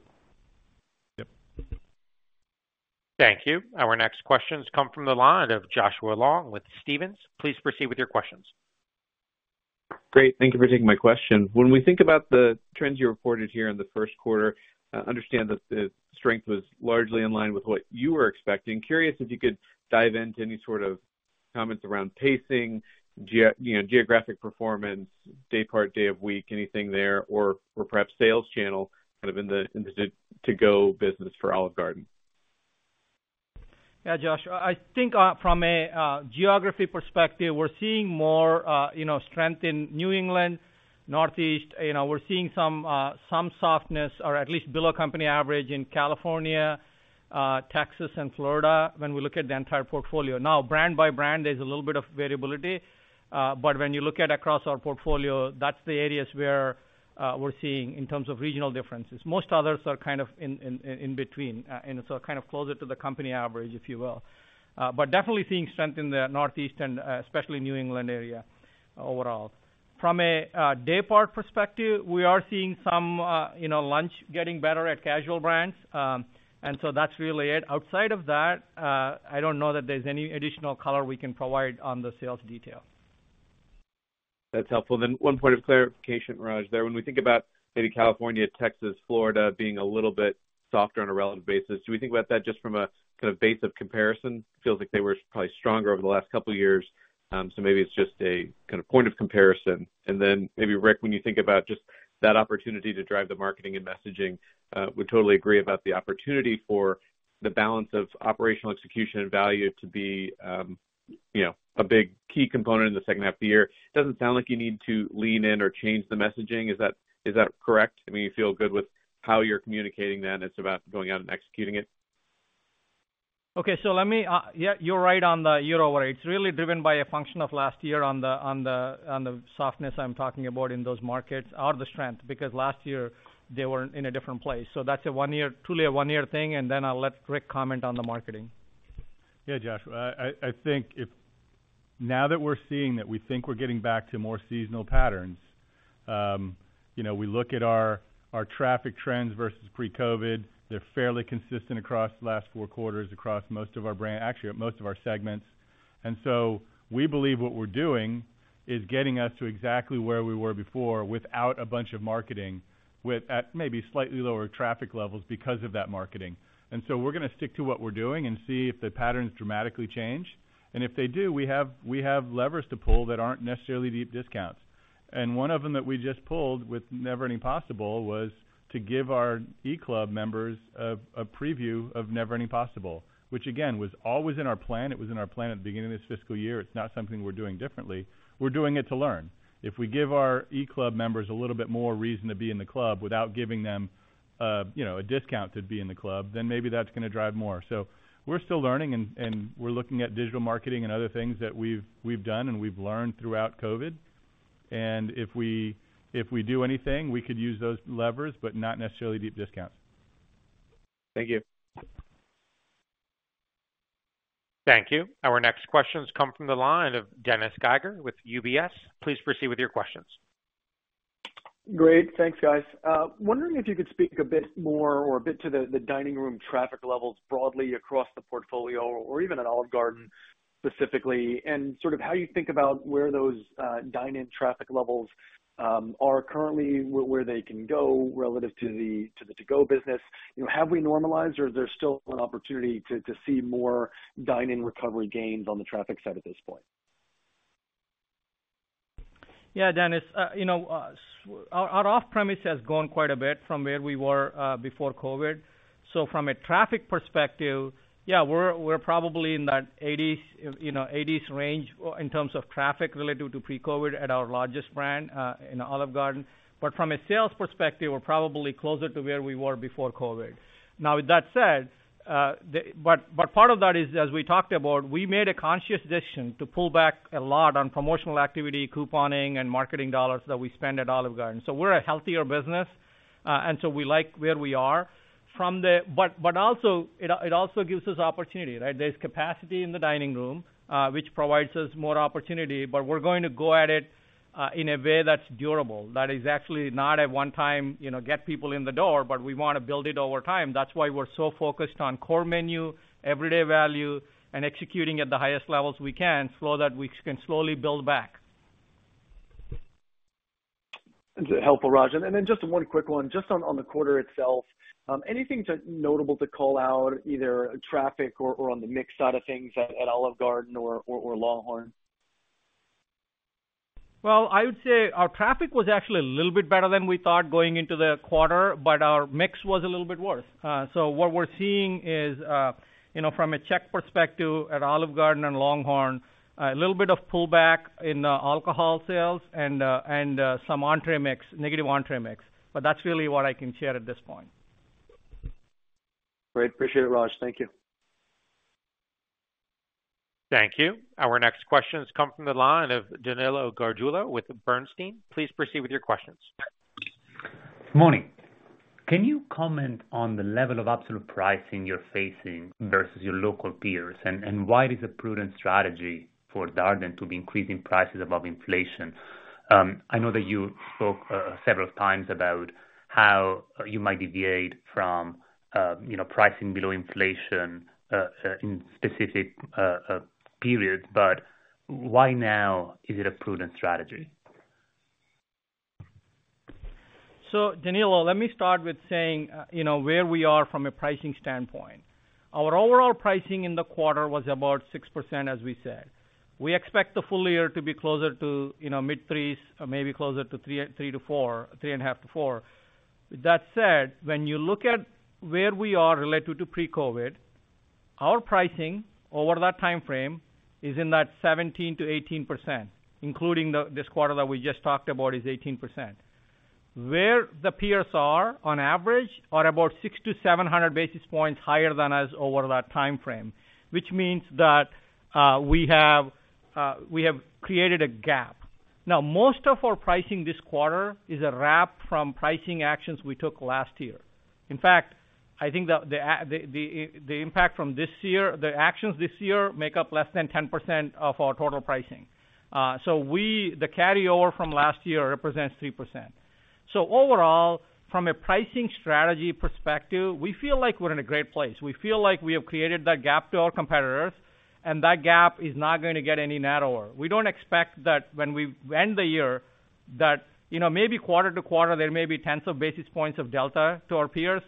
Yep. Thank you. Our next questions come from the line of Joshua Long with Stephens. Please proceed with your questions. Great. Thank you for taking my question. When we think about the trends you reported here in the first quarter, I understand that the strength was largely in line with what you were expecting. Curious if you could dive into any sort of comments around pacing, geographic performance, you know, day part, day of week, anything there, or perhaps sales channel, kind of in the to-go business for Olive Garden. Yeah, Josh, I think, from a geography perspective, we're seeing more, you know, strength in New England, Northeast. You know, we're seeing some softness or at least below company average in California, Texas and Florida when we look at the entire portfolio. Now, brand by brand, there's a little bit of variability, but when you look at across our portfolio, that's the areas where we're seeing in terms of regional differences. Most others are kind of in between, and so kind of closer to the company average, if you will. But definitely seeing strength in the Northeast and, especially New England area overall. From a day part perspective, we are seeing some, you know, lunch getting better at casual brands. And so that's really it. Outside of that, I don't know that there's any additional color we can provide on the sales detail. That's helpful. Then one point of clarification, Raj, there. When we think about maybe California, Texas, Florida being a little bit softer on a relative basis, do we think about that just from a kind of base of comparison? It feels like they were probably stronger over the last couple of years, so maybe it's just a kind of point of comparison. And then maybe, Rick, when you think about just that opportunity to drive the marketing and messaging, would totally agree about the opportunity for the balance of operational execution and value to be, you know, a big key component in the second half of the year. It doesn't sound like you need to lean in or change the messaging. Is that, is that correct? I mean, you feel good with how you're communicating, then it's about going out and executing it? Okay, so let me, yeah, you're right on the year-over-year. It's really driven by a function of last year on the softness I'm talking about in those markets or the strength, because last year they were in a different place. So, that's a one year truly a one-year thing, and then I'll let Rick comment on the marketing. Yeah, Joshua, I think if now that we're seeing that we think we're getting back to more seasonal patterns, you know, we look at our traffic trends versus pre-COVID. They're fairly consistent across the last four quarters, across most of our brands—actually, at most of our segments. And so we believe what we're doing is getting us to exactly where we were before, without a bunch of marketing, with at maybe slightly lower traffic levels because of that marketing. And so, we're going to stick to what we're doing and see if the patterns dramatically change. And if they do, we have levers to pull that aren't necessarily deep discounts. And one of them that we just pulled with Never Ending Pasta Bowl was to give our eClub members a preview of Never Ending Pasta Bowl, which again, was always in our plan. It was in our plan at the beginning of this fiscal year. It's not something we're doing differently. We're doing it to learn. If we give our eClub members a little bit more reason to be in the club without giving them, you know, a discount to be in the club, then maybe that's going to drive more. So we're still learning, and we're looking at digital marketing and other things that we've done and we've learned throughout COVID. And if we do anything, we could use those levers, but not necessarily deep discounts. Thank you. Thank you. Our next question comes from the line of Dennis Geiger with UBS. Please proceed with your questions. Great. Thanks, guys. Wondering if you could speak a bit more or a bit to the, the dining room traffic levels broadly across the portfolio or even at Olive Garden, specifically, and sort of how you think about where those, dine-in traffic levels, are currently, where they can go relative to the, to the to-go business. You know, have we normalized or is there still an opportunity to, to see more dine-in recovery gains on the traffic side at this point? Yeah, Dennis, you know, our off-premise has grown quite a bit from where we were before COVID. So from a traffic perspective, yeah, we're probably in that 80s range in terms of traffic related to pre-COVID at our largest brand, in Olive Garden. But from a sales perspective, we're probably closer to where we were before COVID. Now, with that said, part of that is, as we talked about, we made a conscious decision to pull back a lot on promotional activity, couponing, and marketing dollars that we spend at Olive Garden. So, we're a healthier business, and so we like where we are. From the... but also, it also gives us opportunity, right? There's capacity in the dining room, which provides us more opportunity, but we're going to go at it in a way that's durable, that is actually not a one-time, you know, get people in the door, but we want to build it over time. That's why we're so focused on core menu, everyday value, and executing at the highest levels we can, so that we can slowly build back. That's helpful, Raj. Then just one quick one, just on the quarter itself. Anything notable to call out, either traffic or on the mix side of things at Olive Garden or LongHorn? Well, I would say our traffic was actually a little bit better than we thought going into the quarter, but our mix was a little bit worse. So, what we're seeing is, you know, from a check perspective at Olive Garden and LongHorn, a little bit of pullback in alcohol sales and some entree mix, negative entree mix, but that's really what I can share at this point. Great. Appreciate it, Raj. Thank you. Thank you. Our next question comes from the line of Danilo Gargiulo with Bernstein. Please proceed with your questions. Morning. Can you comment on the level of absolute pricing you're facing versus your local peers? And why is a prudent strategy for Darden to be increasing prices above inflation? I know that you spoke several times about how you might deviate from, you know, pricing below inflation in specific periods, but why now is it a prudent strategy? Danilo, let me start with saying, you know, where we are from a pricing standpoint. Our overall pricing in the quarter was about 6%, as we said. We expect the full year to be closer to, you know, mid-3s, or maybe closer to 3, 3-4, 3.5-4. That said, when you look at where we are relative to pre-COVID, our pricing over that time frame is in that 17%-18%, including the, this quarter that we just talked about, is 18%. Where the peers are on average are about 600-700 basis points higher than us over that time frame, which means that, you know, we have, we have created a gap. Now, most of our pricing this quarter is a wrap from pricing actions we took last year. In fact, I think the impact from this year, the actions this year make up less than 10% of our total pricing. So, we the carryover from last year represents 3%. So, overall, from a pricing strategy perspective, we feel like we're in a great place. We feel like we have created that gap to our competitors, and that gap is not going to get any narrower. We don't expect that when we end the year that, you know, maybe quarter to quarter, there may be tens of basis points of delta to our peers,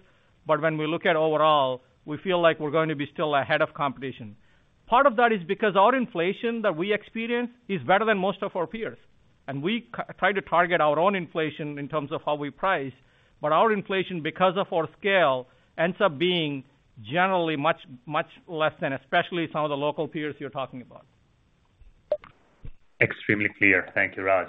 but when we look at overall, we feel like we're going to be still ahead of competition. Part of that is because our inflation that we experience is better than most of our peers, and we try to target our own inflation in terms of how we price, but our inflation, because of our scale, ends up being generally much, much less than especially some of the local peers you're talking about.... Extremely clear. Thank you, Raj.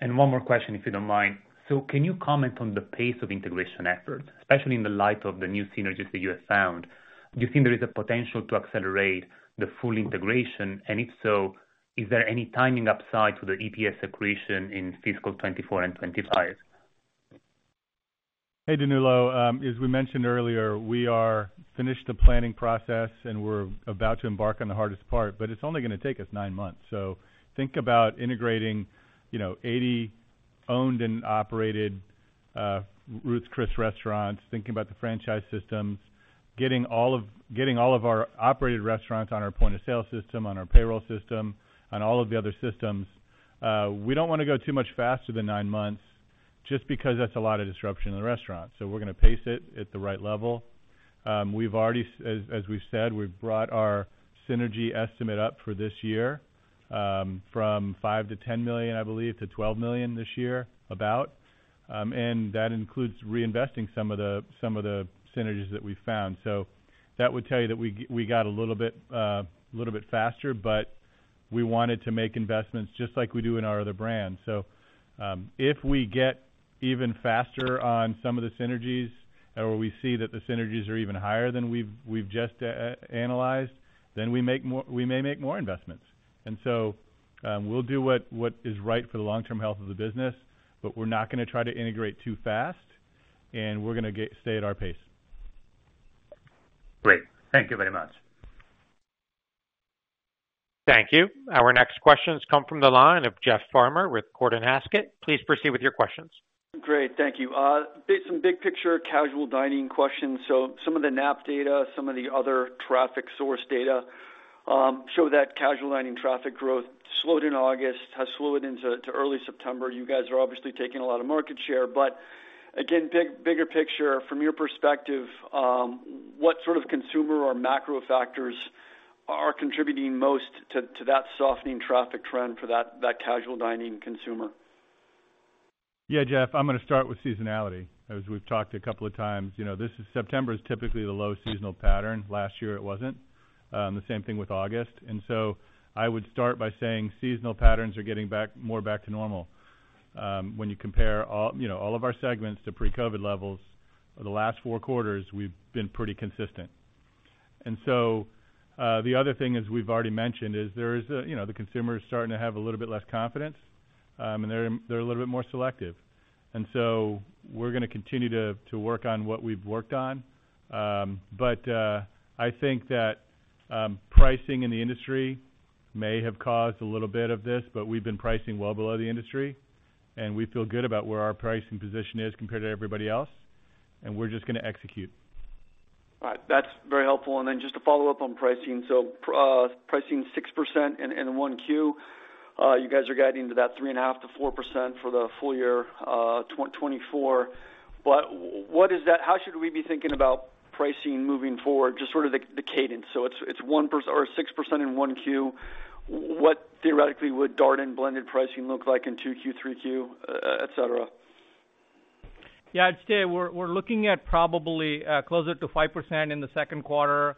And one more question, if you don't mind. So, can you comment on the pace of integration efforts, especially in the light of the new synergies that you have found? Do you think there is a potential to accelerate the full integration? And if so, is there any timing upside to the EPS accretion in fiscal 2024 and 2025? Hey, Danilo, as we mentioned earlier, we are finished the planning process, and we're about to embark on the hardest part, but it's only gonna take us nine months. So, think about integrating, you know, 80 owned and operated Ruth's Chris restaurants, thinking about the franchise systems, getting all of, getting all of our operated restaurants on our point-of-sale system, on our payroll system, on all of the other systems. We don't wanna go too much faster than nine months just because that's a lot of disruption in the restaurant, so we're gonna pace it at the right level. We've already, as, as we've said, we've brought our synergy estimate up for this year, from $5 million-$10 million, I believe, to $12 million this year, about. And that includes reinvesting some of the, some of the synergies that we found. That would tell you that we got a little bit, a little bit faster, but we wanted to make investments, just like we do in our other brands. If we get even faster on some of the synergies or we see that the synergies are even higher than we've just analyzed, then we may make more investments. We'll do what is right for the long-term health of the business, but we're not gonna try to integrate too fast, and we're gonna stay at our pace. Great. Thank you very much. Thank you. Our next questions come from the line of Jeff Farmer with Gordon Haskett. Please proceed with your questions. Great. Thank you. Some big picture, casual dining questions. Some of the Knapp data, some of the other traffic source data, show that casual dining traffic growth slowed in August, has slowed into early September. You guys are obviously taking a lot of market share. But again, bigger picture, from your perspective, what sort of consumer or macro factors are contributing most to that softening traffic trend for that casual dining consumer? Yeah, Jeff, I'm gonna start with seasonality. As we've talked a couple of times, you know, this is. September is typically the low seasonal pattern. Last year, it wasn't the same thing with August. And so I would start by saying seasonal patterns are getting back more back to normal. When you compare all, you know, all of our segments to pre-COVID levels, for the last four quarters, we've been pretty consistent. And so, the other thing, as we've already mentioned, is there is a. You know, the consumer is starting to have a little bit less confidence, and they're, they're a little bit more selective. And so we're gonna continue to, to work on what we've worked on. But, I think that pricing in the industry may have caused a little bit of this, but we've been pricing well below the industry, and we feel good about where our pricing position is compared to everybody else, and we're just gonna execute. All right. That's very helpful. Then just to follow up on pricing. So, pricing 6% in 1Q, you guys are guiding to that 3.5%-4% for the full year, 2024. But what is that, how should we be thinking about pricing moving forward? Just sort of the cadence. So, it's one percent or 6% in 1Q. What theoretically would Darden blended pricing look like in 2Q, 3Q, et cetera? Yeah, I'd say we're looking at probably closer to 5% in the second quarter,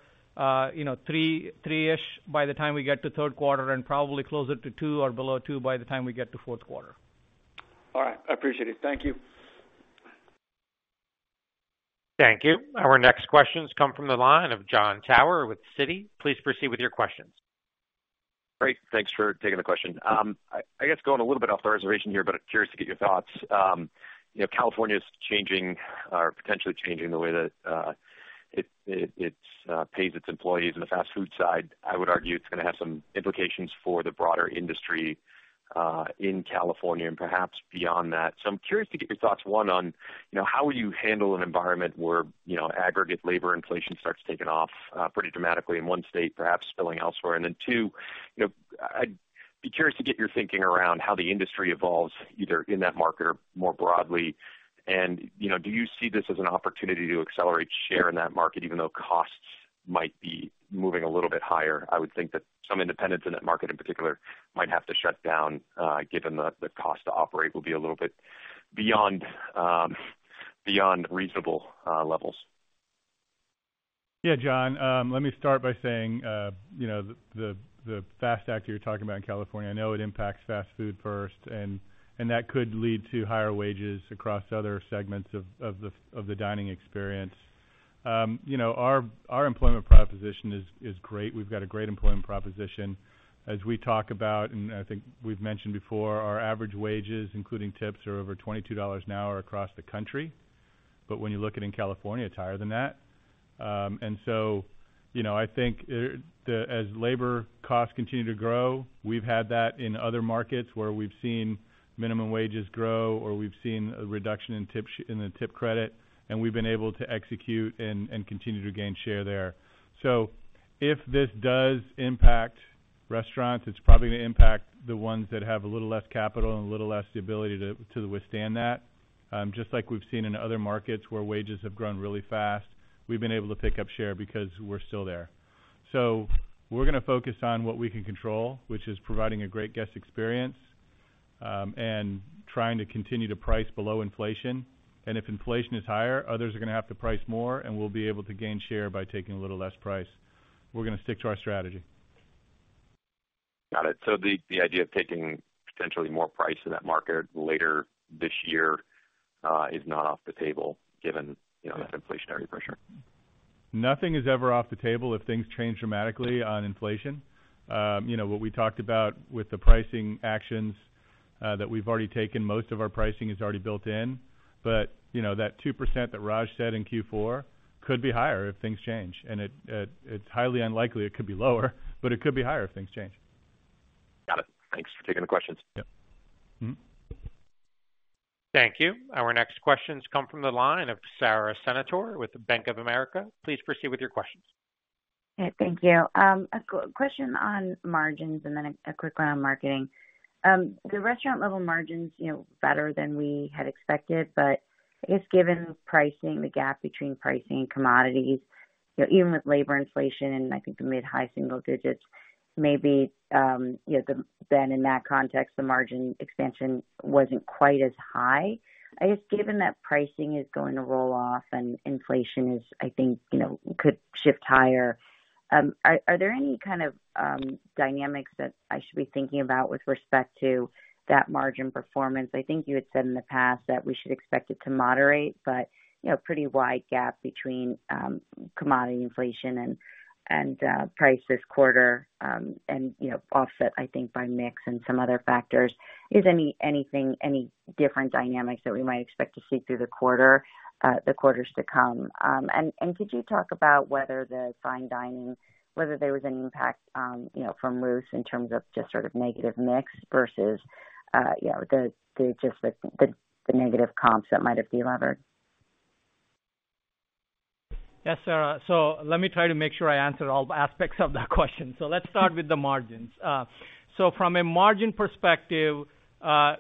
you know, 3, 3-ish by the time we get to third quarter, and probably closer to 2 or below 2 by the time we get to fourth quarter. All right. I appreciate it. Thank you. Thank you. Our next questions come from the line of Jon Tower with Citi. Please proceed with your questions. Great. Thanks for taking the question. I guess, going a little bit off the reservation here, but curious to get your thoughts. You know, California is changing or potentially changing the way that it pays its employees in the fast-food side. I would argue it's gonna have some implications for the broader industry in California and perhaps beyond that. So, I'm curious to get your thoughts, one, on, you know, how would you handle an environment where, you know, aggregate labor inflation starts taking off pretty dramatically in one state, perhaps spilling elsewhere? And then, two, you know, I'd be curious to get your thinking around how the industry evolves, either in that market or more broadly. You know, do you see this as an opportunity to accelerate share in that market, even though costs might be moving a little bit higher? I would think that some independents in that market, in particular, might have to shut down, given the cost to operate will be a little bit beyond reasonable levels. Yeah, John, let me start by saying, you know, the FAST Act you're talking about in California, I know it impacts fast food first, and that could lead to higher wages across other segments of the dining experience. You know, our employment proposition is great. We've got a great employment proposition. As we talk about, and I think we've mentioned before, our average wages, including tips, are over $22 an hour across the country, but when you look at in California, it's higher than that. And so, you know, I think, as labor costs continue to grow, we've had that in other markets where we've seen minimum wages grow or we've seen a reduction in tip credit, and we've been able to execute and continue to gain share there. So if this does impact restaurants, it's probably gonna impact the ones that have a little less capital and a little less the ability to withstand that. Just like we've seen in other markets where wages have grown really fast, we've been able to pick up share because we're still there. So we're gonna focus on what we can control, which is providing a great guest experience, and trying to continue to price below inflation. And if inflation is higher, others are going to have to price more, and we'll be able to gain share by taking a little less price. We're going to stick to our strategy. Got it. So the idea of taking potentially more price in that market later this year is not off the table, given, you know, that inflationary pressure? Nothing is ever off the table if things change dramatically on inflation. You know, what we talked about with the pricing actions that we've already taken, most of our pricing is already built in. But, you know, that 2% that Raj said in Q4 could be higher if things change, and it's highly unlikely it could be lower, but it could be higher if things change. Got it. Thanks for taking the questions. Yeah. Mm-hmm. Thank you. Our next questions come from the line of Sara Senatore with Bank of America. Please proceed with your questions. Hey, thank you. A question on margins and then a quick one on marketing. The restaurant level margins, you know, better than we had expected, but I guess given pricing, the gap between pricing and commodities, you know, even with labor inflation and I think the mid-high single digits, maybe, you know, then in that context, the margin expansion wasn't quite as high. I guess, given that pricing is going to roll off and inflation is, I think, you know, could shift higher, are there any kind of dynamics that I should be thinking about with respect to that margin performance? I think you had said in the past that we should expect it to moderate, but, you know, pretty wide gap between commodity inflation and price this quarter, and, you know, offset, I think, by mix and some other factors. Is anything any different dynamics that we might expect to see through the quarter, the quarters to come? And could you talk about whether the fine dining, whether there was any impact, you know, from Ruth's in terms of just sort of negative mix versus, you know, just the negative comps that might have been levered? Yes, Sara. Let me try to make sure I answer all aspects of that question. Let's start with the margins. From a margin perspective,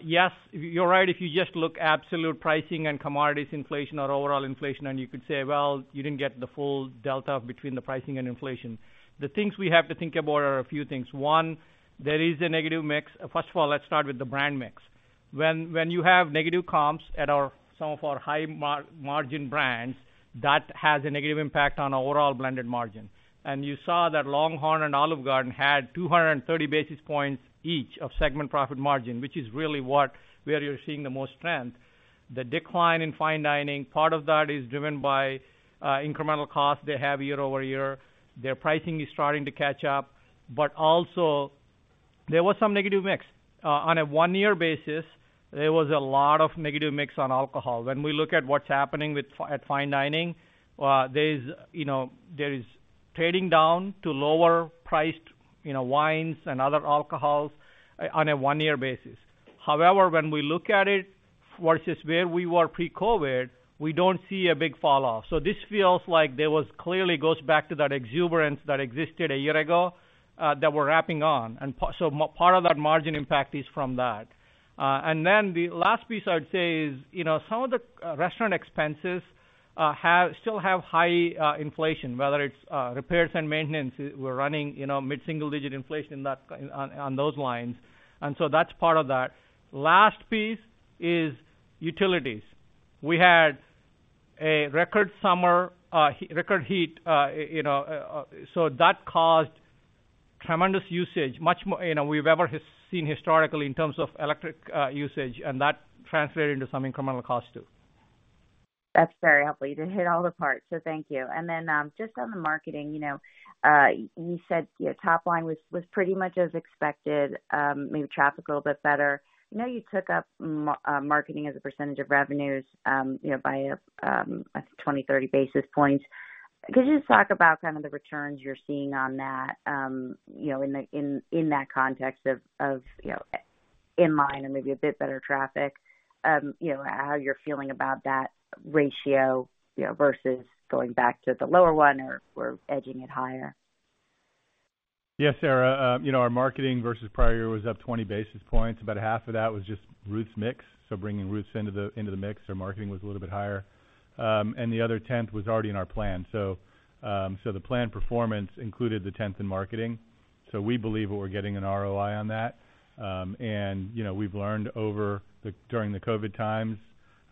yes, you're right. If you just look at absolute pricing and commodities inflation or overall inflation, you could say, well, you didn't get the full delta between the pricing and inflation. The things we have to think about are a few things. One, there is a negative mix. First of all, let's start with the brand mix. When you have negative comps at some of our high-margin brands, that has a negative impact on our overall blended margin. You saw that LongHorn and Olive Garden had 230 basis points each of segment profit margin, which is really where you're seeing the most strength. The decline in fine dining, part of that is driven by incremental costs they have year over year. Their pricing is starting to catch up, but also there was some negative mix. On a one-year basis, there was a lot of negative mix on alcohol. When we look at what's happening at fine dining, you know, there is trading down to lower priced, you know, wines and other alcohols on a one-year basis. However, when we look at it versus where we were pre-COVID, we don't see a big falloff. This feels like it clearly goes back to that exuberance that existed a year ago that we're wrapping on. Part of that margin impact is from that. And then the last piece I'd say is, you know, some of the restaurant expenses have still have high inflation, whether it's repairs and maintenance. We're running, you know, mid-single-digit inflation in that, on those lines, and so that's part of that. Last piece is utilities. We had a record summer, record heat, you know, so that caused tremendous usage, much more, you know, we've ever seen historically in terms of electric usage, and that translated into some incremental cost, too. That's very helpful. You did hit all the parts, so thank you. And then, just on the marketing, you know, you said your top line was pretty much as expected, maybe traffic a little bit better. I know you took up marketing as a percentage of revenues, you know, by 20-30 basis points. Could you just talk about kind of the returns you're seeing on that, you know, in that context of, you know, in line and maybe a bit better traffic? You know, how you're feeling about that ratio, you know, versus going back to the lower one or we're edging it higher. Yes, Sara. You know, our marketing versus prior year was up 20 basis points. About half of that was just Ruth's mix, so bringing Ruth's into the mix, so marketing was a little bit higher. And the other tenth was already in our plan. So, so the plan performance included the tenth in marketing, so we believe that we're getting an ROI on that. And, you know, we've learned during the COVID times,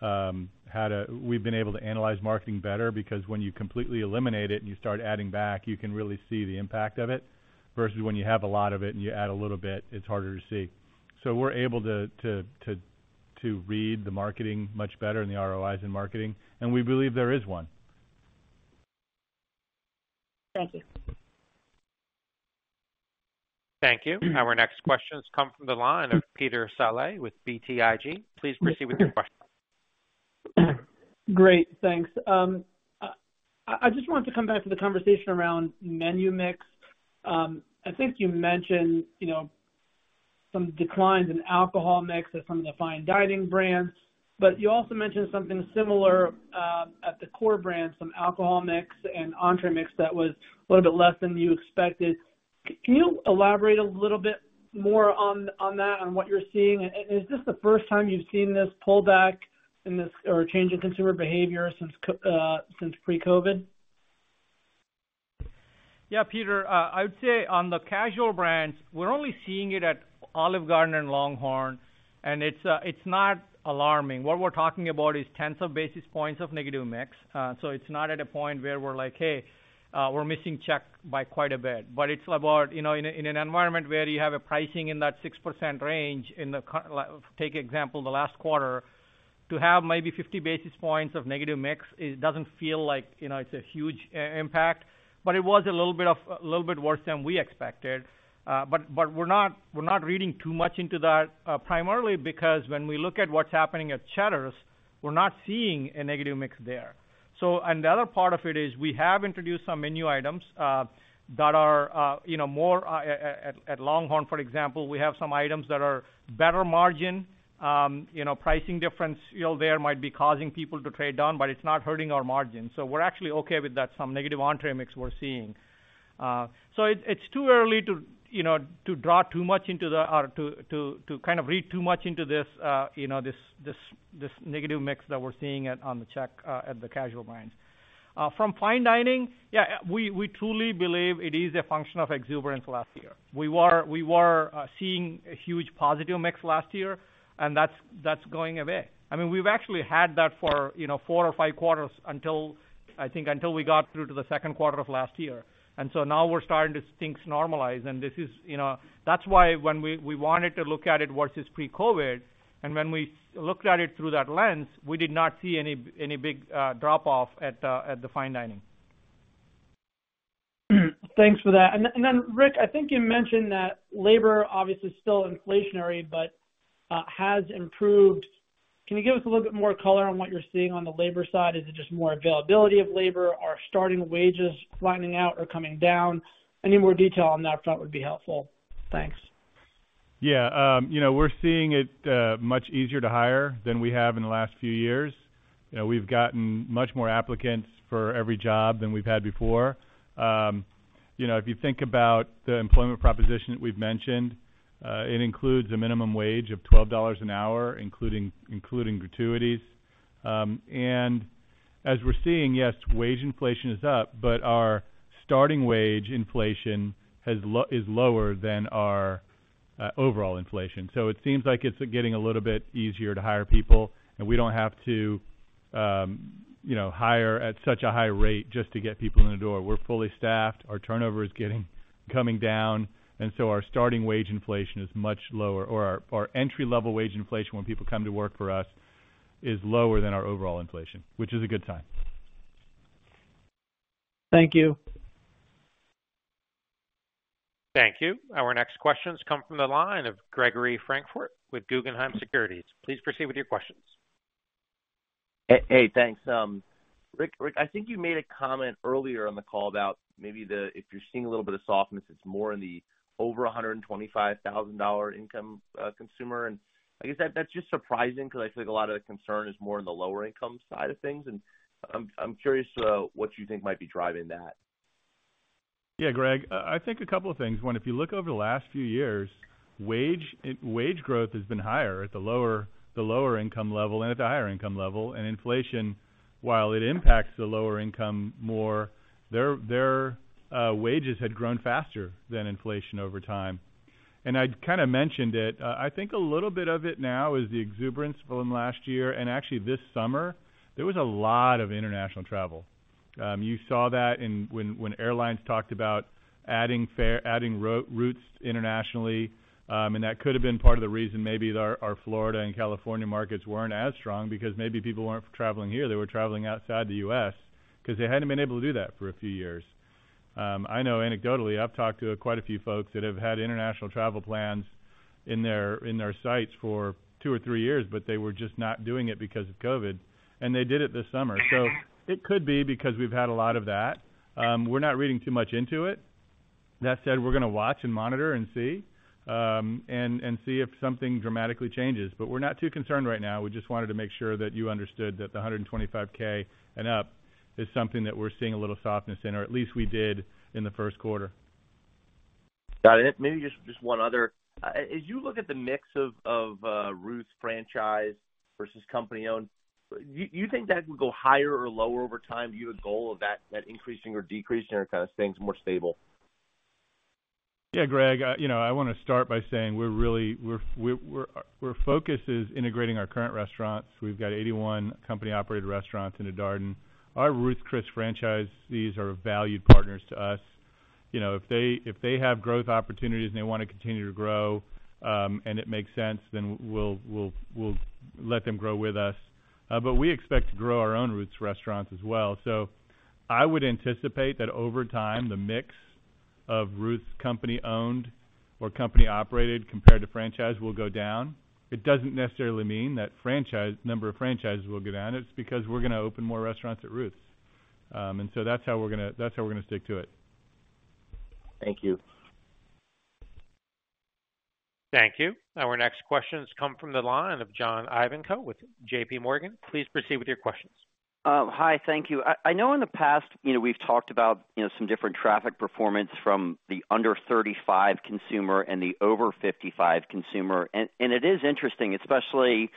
how to... We've been able to analyze marketing better, because when you completely eliminate it and you start adding back, you can really see the impact of it. Versus when you have a lot of it and you add a little bit, it's harder to see. So, we're able to read the marketing much better and the ROIs in marketing, and we believe there is one. Thank you. Thank you. Our next questions come from the line of Peter Saleh with BTIG. Please proceed with your question. Great, thanks. I just wanted to come back to the conversation around menu mix. I think you mentioned, you know, some declines in alcohol mix at some of the fine dining brands, but you also mentioned something similar at the core brands, some alcohol mix and entree mix that was a little bit less than you expected. Can you elaborate a little bit more on that, on what you're seeing? And is this the first time you've seen this pullback in this or change in consumer behavior since pre-COVID? Yeah, Peter, I would say on the casual brands, we're only seeing it at Olive Garden and LongHorn, and it's not alarming. What we're talking about is tenths of basis points of negative mix. It's not at a point where we're like, "Hey, we're missing check by quite a bit," but it's about, you know, in an environment where you have a pricing in that 6% range, in the cur-- take example, the last quarter, to have maybe 50 basis points of negative mix, it doesn't feel like, you know, it's a huge i-impact, but it was a little bit of-- a little bit worse than we expected. We're not, we're not reading too much into that, primarily because when we look at what's happening at Cheddar's, we're not seeing a negative mix there. The other part of it is, we have introduced some menu items that are, you know, more at LongHorn, for example, we have some items that are better margin. You know, pricing difference, you know, there might be causing people to trade down, but it's not hurting our margin. So, we're actually okay with that, some negative entrees mix we're seeing. So, it's too early to, you know, to draw too much into it or to kind of read too much into this, you know, this negative mix that we're seeing on the check at the casual brands. From fine dining, yeah, we truly believe it is a function of exuberance last year. We were seeing a huge positive mix last year, and that's going away. I mean, we've actually had that for, you know, four or five quarters until, I think, until we got through to the second quarter of last year. And so now we're starting to things normalize, and this is, you know... That's why when we, we wanted to look at it versus pre-COVID, and when we looked at it through that lens, we did not see any, any big, drop-off at the, at the fine dining. Thanks for that. Rick, I think you mentioned that labor, obviously, is still inflationary, but has improved. Can you give us a little bit more color on what you're seeing on the labor side? Is it just more availability of labor? Are starting wages flattening out or coming down? Any more detail on that front would be helpful. Thanks. Yeah, you know, we're seeing it much easier to hire than we have in the last few years. You know, we've gotten much more applicants for every job than we've had before. You know, if you think about the employment proposition that we've mentioned, it includes a minimum wage of $12 an hour, including gratuities. And as we're seeing, yes, wage inflation is up, but our starting wage inflation is lower than our overall inflation. So, it seems like it's getting a little bit easier to hire people, and we don't have to, you know, hire at such a high rate just to get people in the door. We're fully staffed. Our turnover is coming down, and so our starting wage inflation is much lower, or our entry-level wage inflation, when people come to work for us, is lower than our overall inflation, which is a good sign. Thank you. Thank you. Our next questions come from the line of Gregory Francfort with Guggenheim Securities. Please proceed with your questions. Hey, thanks. Rick, Rick, I think you made a comment earlier on the call about maybe the if you're seeing a little bit of softness, it's more in the over $125,000 income consumer. And I guess that's just surprising because I feel like a lot of the concern is more in the lower income side of things, and I'm, I'm curious what you think might be driving that. Yeah, Greg, I think a couple of things. One, if you look over the last few years, wage growth has been higher at the lower income level and at the higher income level. And inflation, while it impacts the lower income more, their wages had grown faster than inflation over time. And I kind of mentioned it, I think a little bit of it now is the exuberance from last year and actually this summer, there was a lot of international travel. You saw that in, when airlines talked about adding fares, adding routes internationally, and that could have been part of the reason maybe our Florida and California markets weren't as strong because maybe people weren't traveling here, they were traveling outside the U.S., because they hadn't been able to do that for a few years. I know anecdotally, I've talked to quite a few folks that have had international travel plans in their sights for 2 or 3 years, but they were just not doing it because of COVID, and they did it this summer. So, it could be because we've had a lot of that. We're not reading too much into it. That said, we're going to watch and monitor and see if something dramatically changes. But we're not too concerned right now. We just wanted to make sure that you understood that the 125K and up is something that we're seeing a little softness in, or at least we did in the first quarter. Got it. Maybe just one other. As you look at the mix of Ruth's franchise versus company-owned, you think that would go higher or lower over time? Do you have a goal of that increasing or decreasing or kind of staying more stable? Yeah, Greg, you know, I want to start by saying we're really our focus is integrating our current restaurants. We've got 81 company-operated restaurants into Darden. Our Ruth's Chris franchisees are valued partners to us. You know, if they have growth opportunities, and they want to continue to grow, and it makes sense, then we'll let them grow with us. But we expect to grow our own Ruth's restaurants as well. So, I would anticipate that over time, the mix of Ruth's company-owned or company-operated compared to franchise will go down. It doesn't necessarily mean that franchise number of franchises will go down. It's because we're going to open more restaurants at Ruth's. And so that's how we're going to stick to it. Thank you. Thank you. Our next questions come from the line of John Ivankoe with J.P. Morgan. Please proceed with your questions. Hi, thank you. I know in the past, you know, we've talked about, you know, some different traffic performance from the under 35 consumer and the over 55 consumer, and it is interesting, especially,...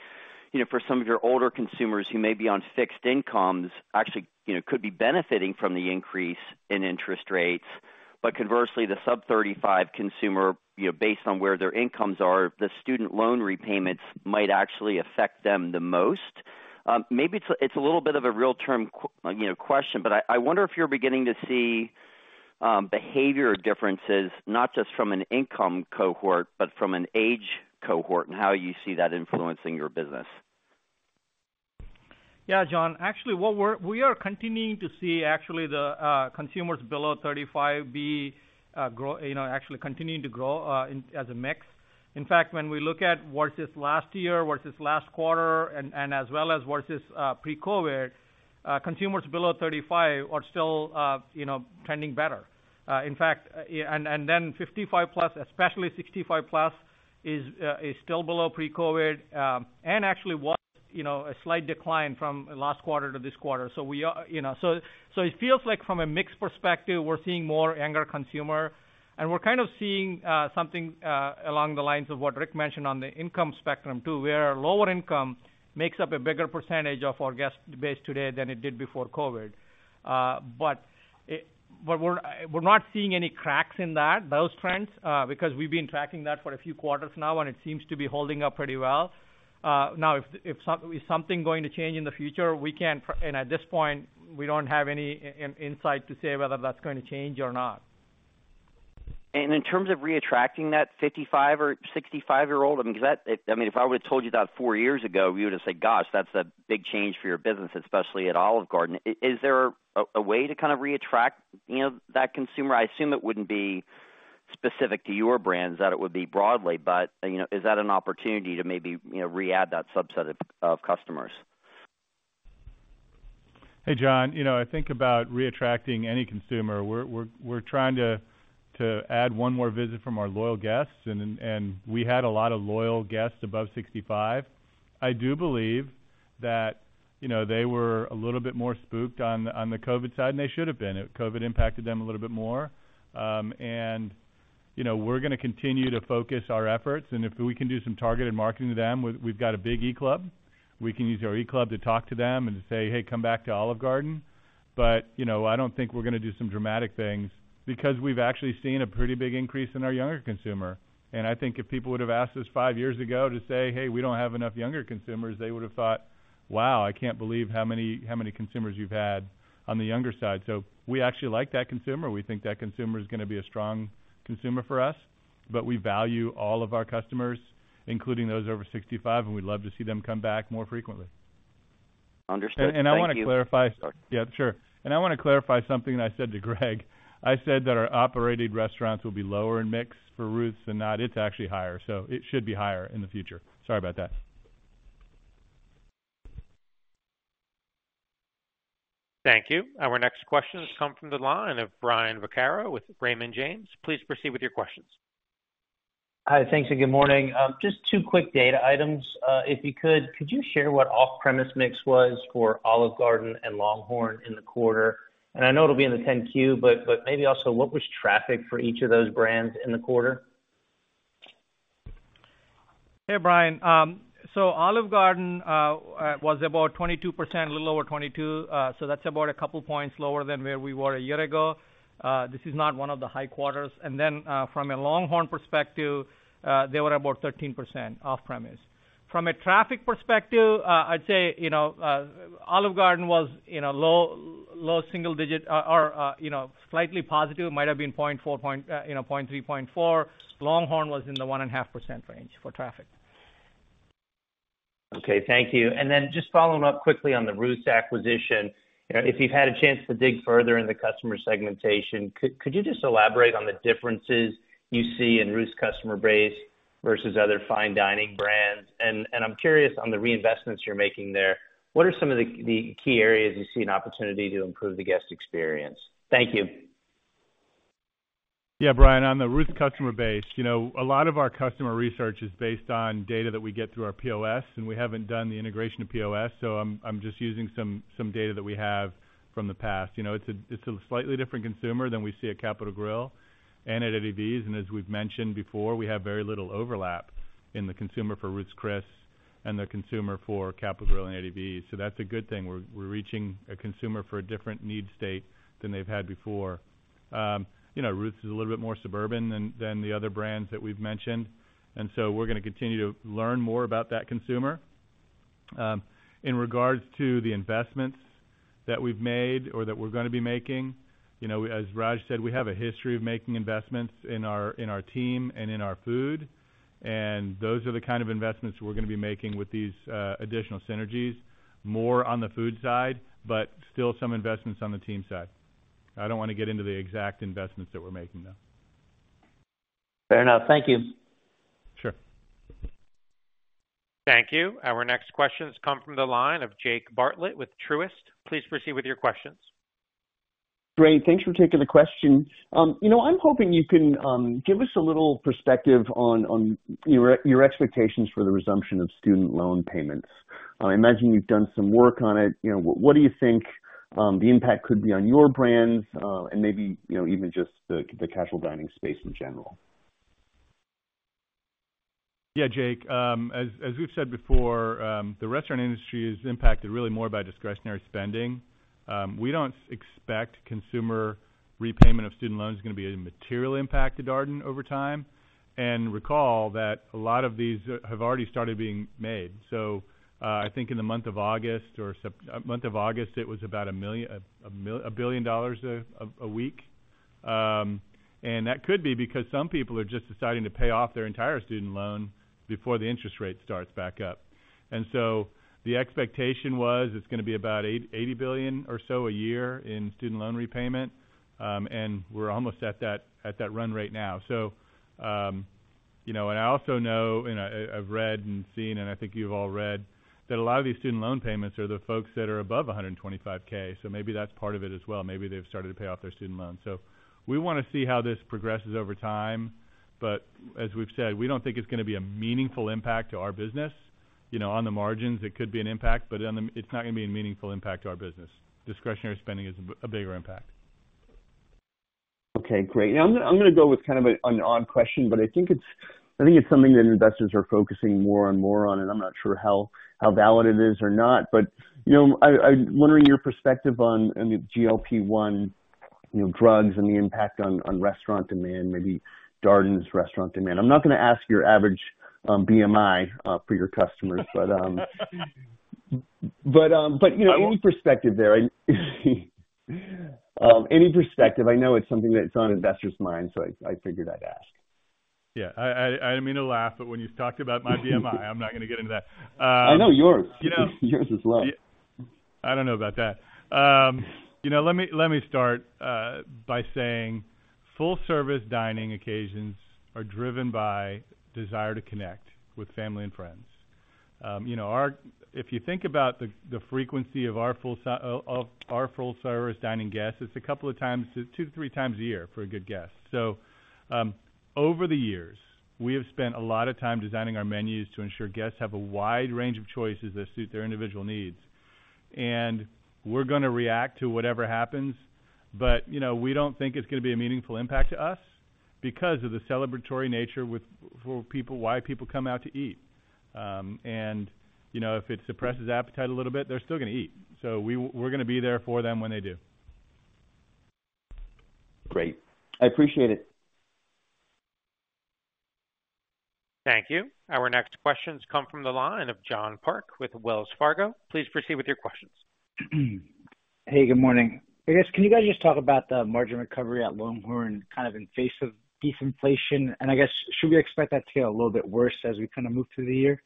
you know, for some of your older consumers who may be on fixed incomes, actually, you know, could be benefiting from the increase in interest rates. But conversely, the sub-35 consumer, you know, based on where their incomes are, the student loan repayments might actually affect them the most. Maybe it's a little bit of a you know, question, but I wonder if you're beginning to see, behavior differences, not just from an income cohort, but from an age cohort, and how you see that influencing your business? Yeah, John, actually, what we're—we are continuing to see, actually, the consumers below 35 be grow, you know, actually continuing to grow in as a mix. In fact, when we look at versus last year, versus last quarter, and, and as well as versus pre-COVID, consumers below 35 are still, you know, trending better. In fact, and, and then 55 plus, especially 65 plus, is, is still below pre-COVID, and actually was, you know, a slight decline from last quarter to this quarter. So, we are, you know, it feels like from a mix perspective, we're seeing more younger consumer, and we're kind of seeing something along the lines of what Rick mentioned on the income spectrum, too, where lower income makes up a bigger percentage of our guest base today than it did before COVID. But we're, we're not seeing any cracks in that, those trends, because we've been tracking that for a few quarters now, and it seems to be holding up pretty well. Now, if something is going to change in the future? We can't predict, and at this point, we don't have any insight to say whether that's going to change or not. In terms of reattracting that 55- or 65-year-old, I mean, because that, I mean, if I would have told you that 4 years ago, you would have said, "Gosh, that's a big change for your business, especially at Olive Garden." Is there a way to kind of reattract, you know, that consumer? I assume it wouldn't be specific to your brands, that it would be broadly, but, you know, is that an opportunity to maybe, you know, re-add that subset of, of customers? Hey, John. You know, I think about reattracting any consumer. We're trying to add 1 more visit from our loyal guests, and we had a lot of loyal guests above 65. I do believe that, you know, they were a little bit more spooked on the COVID side, and they should have been. COVID impacted them a little bit more. And, you know, we're gonna continue to focus our efforts, and if we can do some targeted marketing to them, we've got a big eClub. We can use our eClub to talk to them and say, "Hey, come back to Olive Garden." But, you know, I don't think we're gonna do some dramatic things because we've actually seen a pretty big increase in our younger consumer. I think if people would have asked us 5 years ago to say, "Hey, we don't have enough younger consumers," they would have thought, wow, I can't believe how many, how many consumers you've had on the younger side. So, we actually like that consumer. We think that consumer is gonna be a strong consumer for us, but we value all of our customers, including those over 65, and we'd love to see them come back more frequently. Understood. Thank you. And I want to clarify... Yeah, sure. And I want to clarify something that I said to Greg. I said that our operated restaurants will be lower in mix for Ruth's and not, it's actually higher, so it should be higher in the future. Sorry about that. Thank you. Our next question has come from the line of Brian Vaccaro with Raymond James. Please proceed with your questions. Hi, thanks and good morning. Just two quick data items. If you could, could you share what off-premise mix was for Olive Garden and LongHorn in the quarter? And I know it'll be in the 10-Q, but maybe also, what was traffic for each of those brands in the quarter? Hey, Brian. So, Olive Garden was about 22%, a little over 22, so that's about a couple points lower than where we were a year ago. This is not one of the high quarters. And then, from a LongHorn perspective, they were about 13% off-premise. From a traffic perspective, I'd say, you know, Olive Garden was, you know, low single digit or, you know, slightly positive. It might have been 0.4 point, you know, 0.3-point, 0.4 point. LongHorn was in the 1.5% range for traffic. Okay, thank you. And then just following up quickly on the Ruth's acquisition, if you've had a chance to dig further in the customer segmentation, could you just elaborate on the differences you see in Ruth's customer base versus other fine dining brands? And I'm curious on the reinvestments you're making there, what are some of the key areas you see an opportunity to improve the guest experience? Thank you. Yeah, Brian, on the Ruth's customer base, you know, a lot of our customer research is based on data that we get through our POS, and we haven't done the integration of POS, so I'm just using some data that we have from the past. You know, it's a slightly different consumer than we see at Capital Grille and at Eddie V's, and as we've mentioned before, we have very little overlap in the consumer for Ruth's Chris and the consumer for Capital Grille and Eddie V's. That's a good thing. We're reaching a consumer for a different need state than they've had before. You know, Ruth's is a little bit more suburban than the other brands that we've mentioned, and we're gonna continue to learn more about that consumer. In regards to the investments that we've made or that we're gonna be making, you know, as Raj said, we have a history of making investments in our team and in our food, and those are the kind of investments we're gonna be making with these additional synergies, more on the food side, but still some investments on the team side. I don't wanna get into the exact investments that we're making, though. Fair enough. Thank you. Sure. Thank you. Our next question has come from the line of Jake Bartlett with Truist. Please proceed with your questions. Great. Thanks for taking the question. You know, I'm hoping you can, give us a little perspective on, on your, your expectations for the resumption of student loan payments. I imagine you've done some work on it. You know, what do you think, the impact could be on your brands, and maybe, you know, even just the, the casual dining space in general?... Yeah, Jake, as we've said before, the restaurant industry is impacted really more by discretionary spending. We don't expect consumer repayment of student loans is gonna be a material impact to Darden over time. And recall that a lot of these have already started being made. So, I think in the month of August, it was about $1 billion a week. And that could be because some people are just deciding to pay off their entire student loan before the interest rate starts back up. And so the expectation was it's gonna be about $80 billion or so a year in student loan repayment, and we're almost at that run rate now. So, you know, and I also know, and I, I've read and seen, and I think you've all read, that a lot of these student loan payments are the folks that are above 125,000, so maybe that's part of it as well. Maybe they've started to pay off their student loans. So, we wanna see how this progresses over time, but as we've said, we don't think it's gonna be a meaningful impact to our business. You know, on the margins, it could be an impact, but on the... It's not gonna be a meaningful impact to our business. Discretionary spending is a, a bigger impact. Okay, great. Now, I'm gonna go with kind of an odd question, but I think it's something that investors are focusing more and more on, and I'm not sure how valid it is or not. You know, I'm wondering your perspective on the GLP-1, you know, drugs and the impact on restaurant demand, maybe Darden's restaurant demand. I'm not gonna ask your average BMI for your customers, but you know, any perspective there? Any perspective, I know it's something that's on investors' minds, so I figured I'd ask. Yeah, I didn't mean to laugh, but when you talked about my BMI, I'm not gonna get into that. I know yours. You know- Yours is low. I don't know about that. You know, let me start by saying full service dining occasions are driven by desire to connect with family and friends. You know, if you think about the frequency of our full service dining guests, it's a couple of times, 2 to 3 times a year for a good guest. Over the years, we have spent a lot of time designing our menus to ensure guests have a wide range of choices that suit their individual needs. We're gonna react to whatever happens, but, you know, we don't think it's gonna be a meaningful impact to us because of the celebratory nature for people, why people come out to eat. And, you know, if it suppresses appetite a little bit, they're still gonna eat, so we're gonna be there for them when they do. Great. I appreciate it. Thank you. Our next questions come from the line of John Park with Wells Fargo. Please proceed with your questions. Hey, good morning. I guess, can you guys just talk about the margin recovery at LongHorn, kind of in face of disinflation? And I guess, should we expect that to get a little bit worse as we kind of move through the year?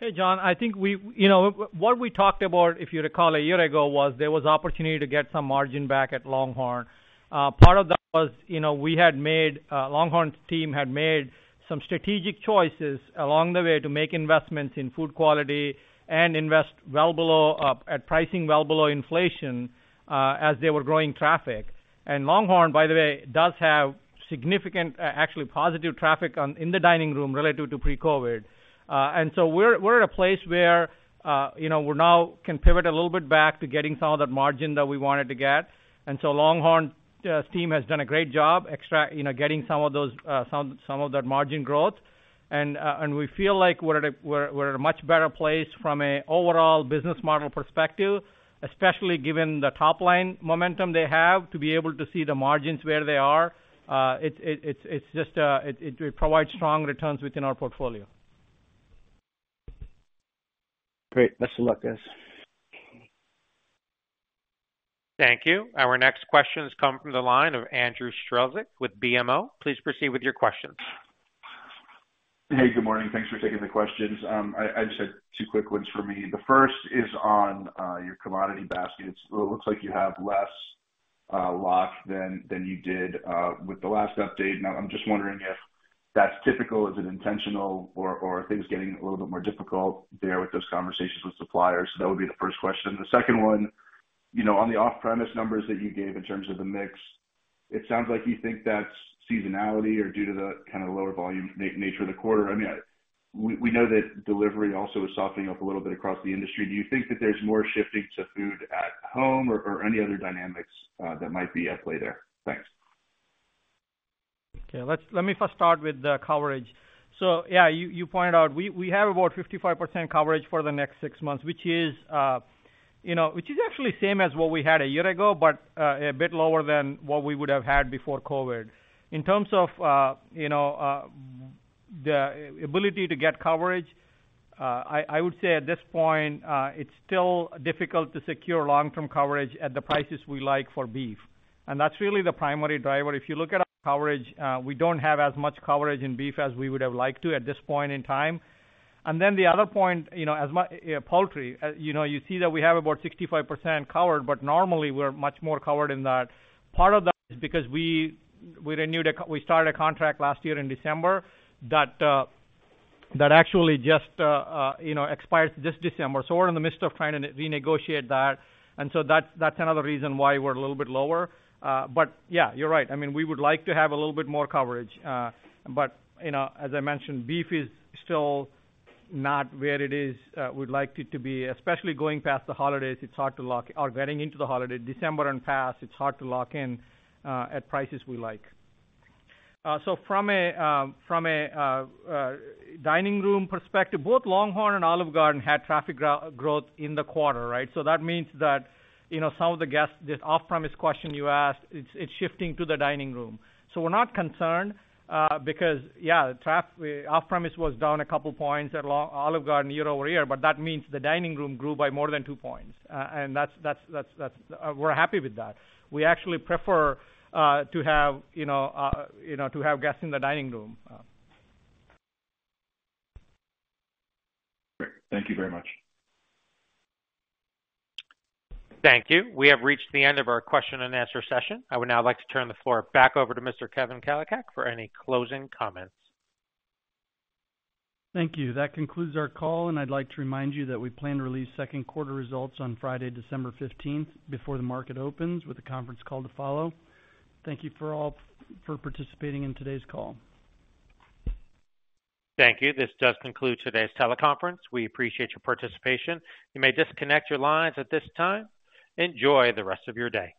Hey, John, I think we... You know, what we talked about, if you recall, a year ago, was there was opportunity to get some margin back at LongHorn. Part of that was, you know, we had made, LongHorn's team had made some strategic choices along the way to make investments in food quality and invest well below, at pricing well below inflation, as they were growing traffic. And LongHorn, by the way, does have significant, actually positive traffic on, in the dining room relative to pre-COVID. And so we're at a place where, you know, we now can pivot a little bit back to getting some of that margin that we wanted to get. And so LongHorn team has done a great job, you know, getting some of those, some of that margin growth. We feel like we're at a much better place from an overall business model perspective, especially given the top-line momentum they have to be able to see the margins where they are. It's just, it provides strong returns within our portfolio. Great! Best of luck, guys. Thank you. Our next questions come from the line of Andrew Strelzik with BMO. Please proceed with your questions. Hey, good morning. Thanks for taking the questions. I just had two quick ones for me. The first is on your commodity baskets. Well, it looks like you have less lock than you did with the last update. Now, I'm just wondering if that's typical, is it intentional, or are things getting a little bit more difficult there with those conversations with suppliers? So, that would be the first question. The second one, you know, on the off-premise numbers that you gave in terms of the mix, it sounds like you think that's seasonality or due to the kind of lower volume nature of the quarter. I mean, we know that delivery also is softening up a little bit across the industry. Do you think that there's more shifting to food at home or any other dynamics that might be at play there? Thanks. Okay, let me first start with the coverage. So, yeah, you pointed out, we have about 55% coverage for the next six months, which is, you know, which is actually the same as what we had a year ago, but a bit lower than what we would have had before COVID. In terms of, you know, the ability to get coverage, I would say at this point, it's still difficult to secure long-term coverage at the prices we like for beef. And that's really the primary driver. If you look at our coverage, we don't have as much coverage in beef as we would have liked to at this point in time. The other point, you know, as poultry, you know, you see that we have about 65% covered, but normally we're much more covered in that. Part of that is because we renewed a contract last year in December that actually just expires this December. So we're in the midst of trying to renegotiate that, and so that's another reason why we're a little bit lower. Yeah, you're right. I mean, we would like to have a little bit more coverage, but, you know, as I mentioned, beef is still not where it is, we'd like it to be, especially going past the holidays. It's hard to lock or getting into the holiday, December and past, it's hard to lock in at prices we like. So from a, from a, dining room perspective, both LongHorn and Olive Garden had traffic growth in the quarter, right? So that means that, you know, some of the guests, this off-premise question you asked, it's shifting to the dining room. So we're not concerned, because, yeah, the traffic, off-premise was down a couple of points at Olive Garden year-over-year, but that means the dining room grew by more than two points. And that's... We're happy with that. We actually prefer, to have, you know, you know, to have guests in the dining room. Great. Thank you very much. Thank you. We have reached the end of our question and answer session. I would now like to turn the floor back over to Mr. Kevin Kalicak, for any closing comments. Thank you. That concludes our call, and I'd like to remind you that we plan to release second quarter results on Friday, December 15, before the market opens, with a conference call to follow. Thank you all for participating in today's call. Thank you. This does conclude today's teleconference. We appreciate your participation. You may disconnect your lines at this time. Enjoy the rest of your day.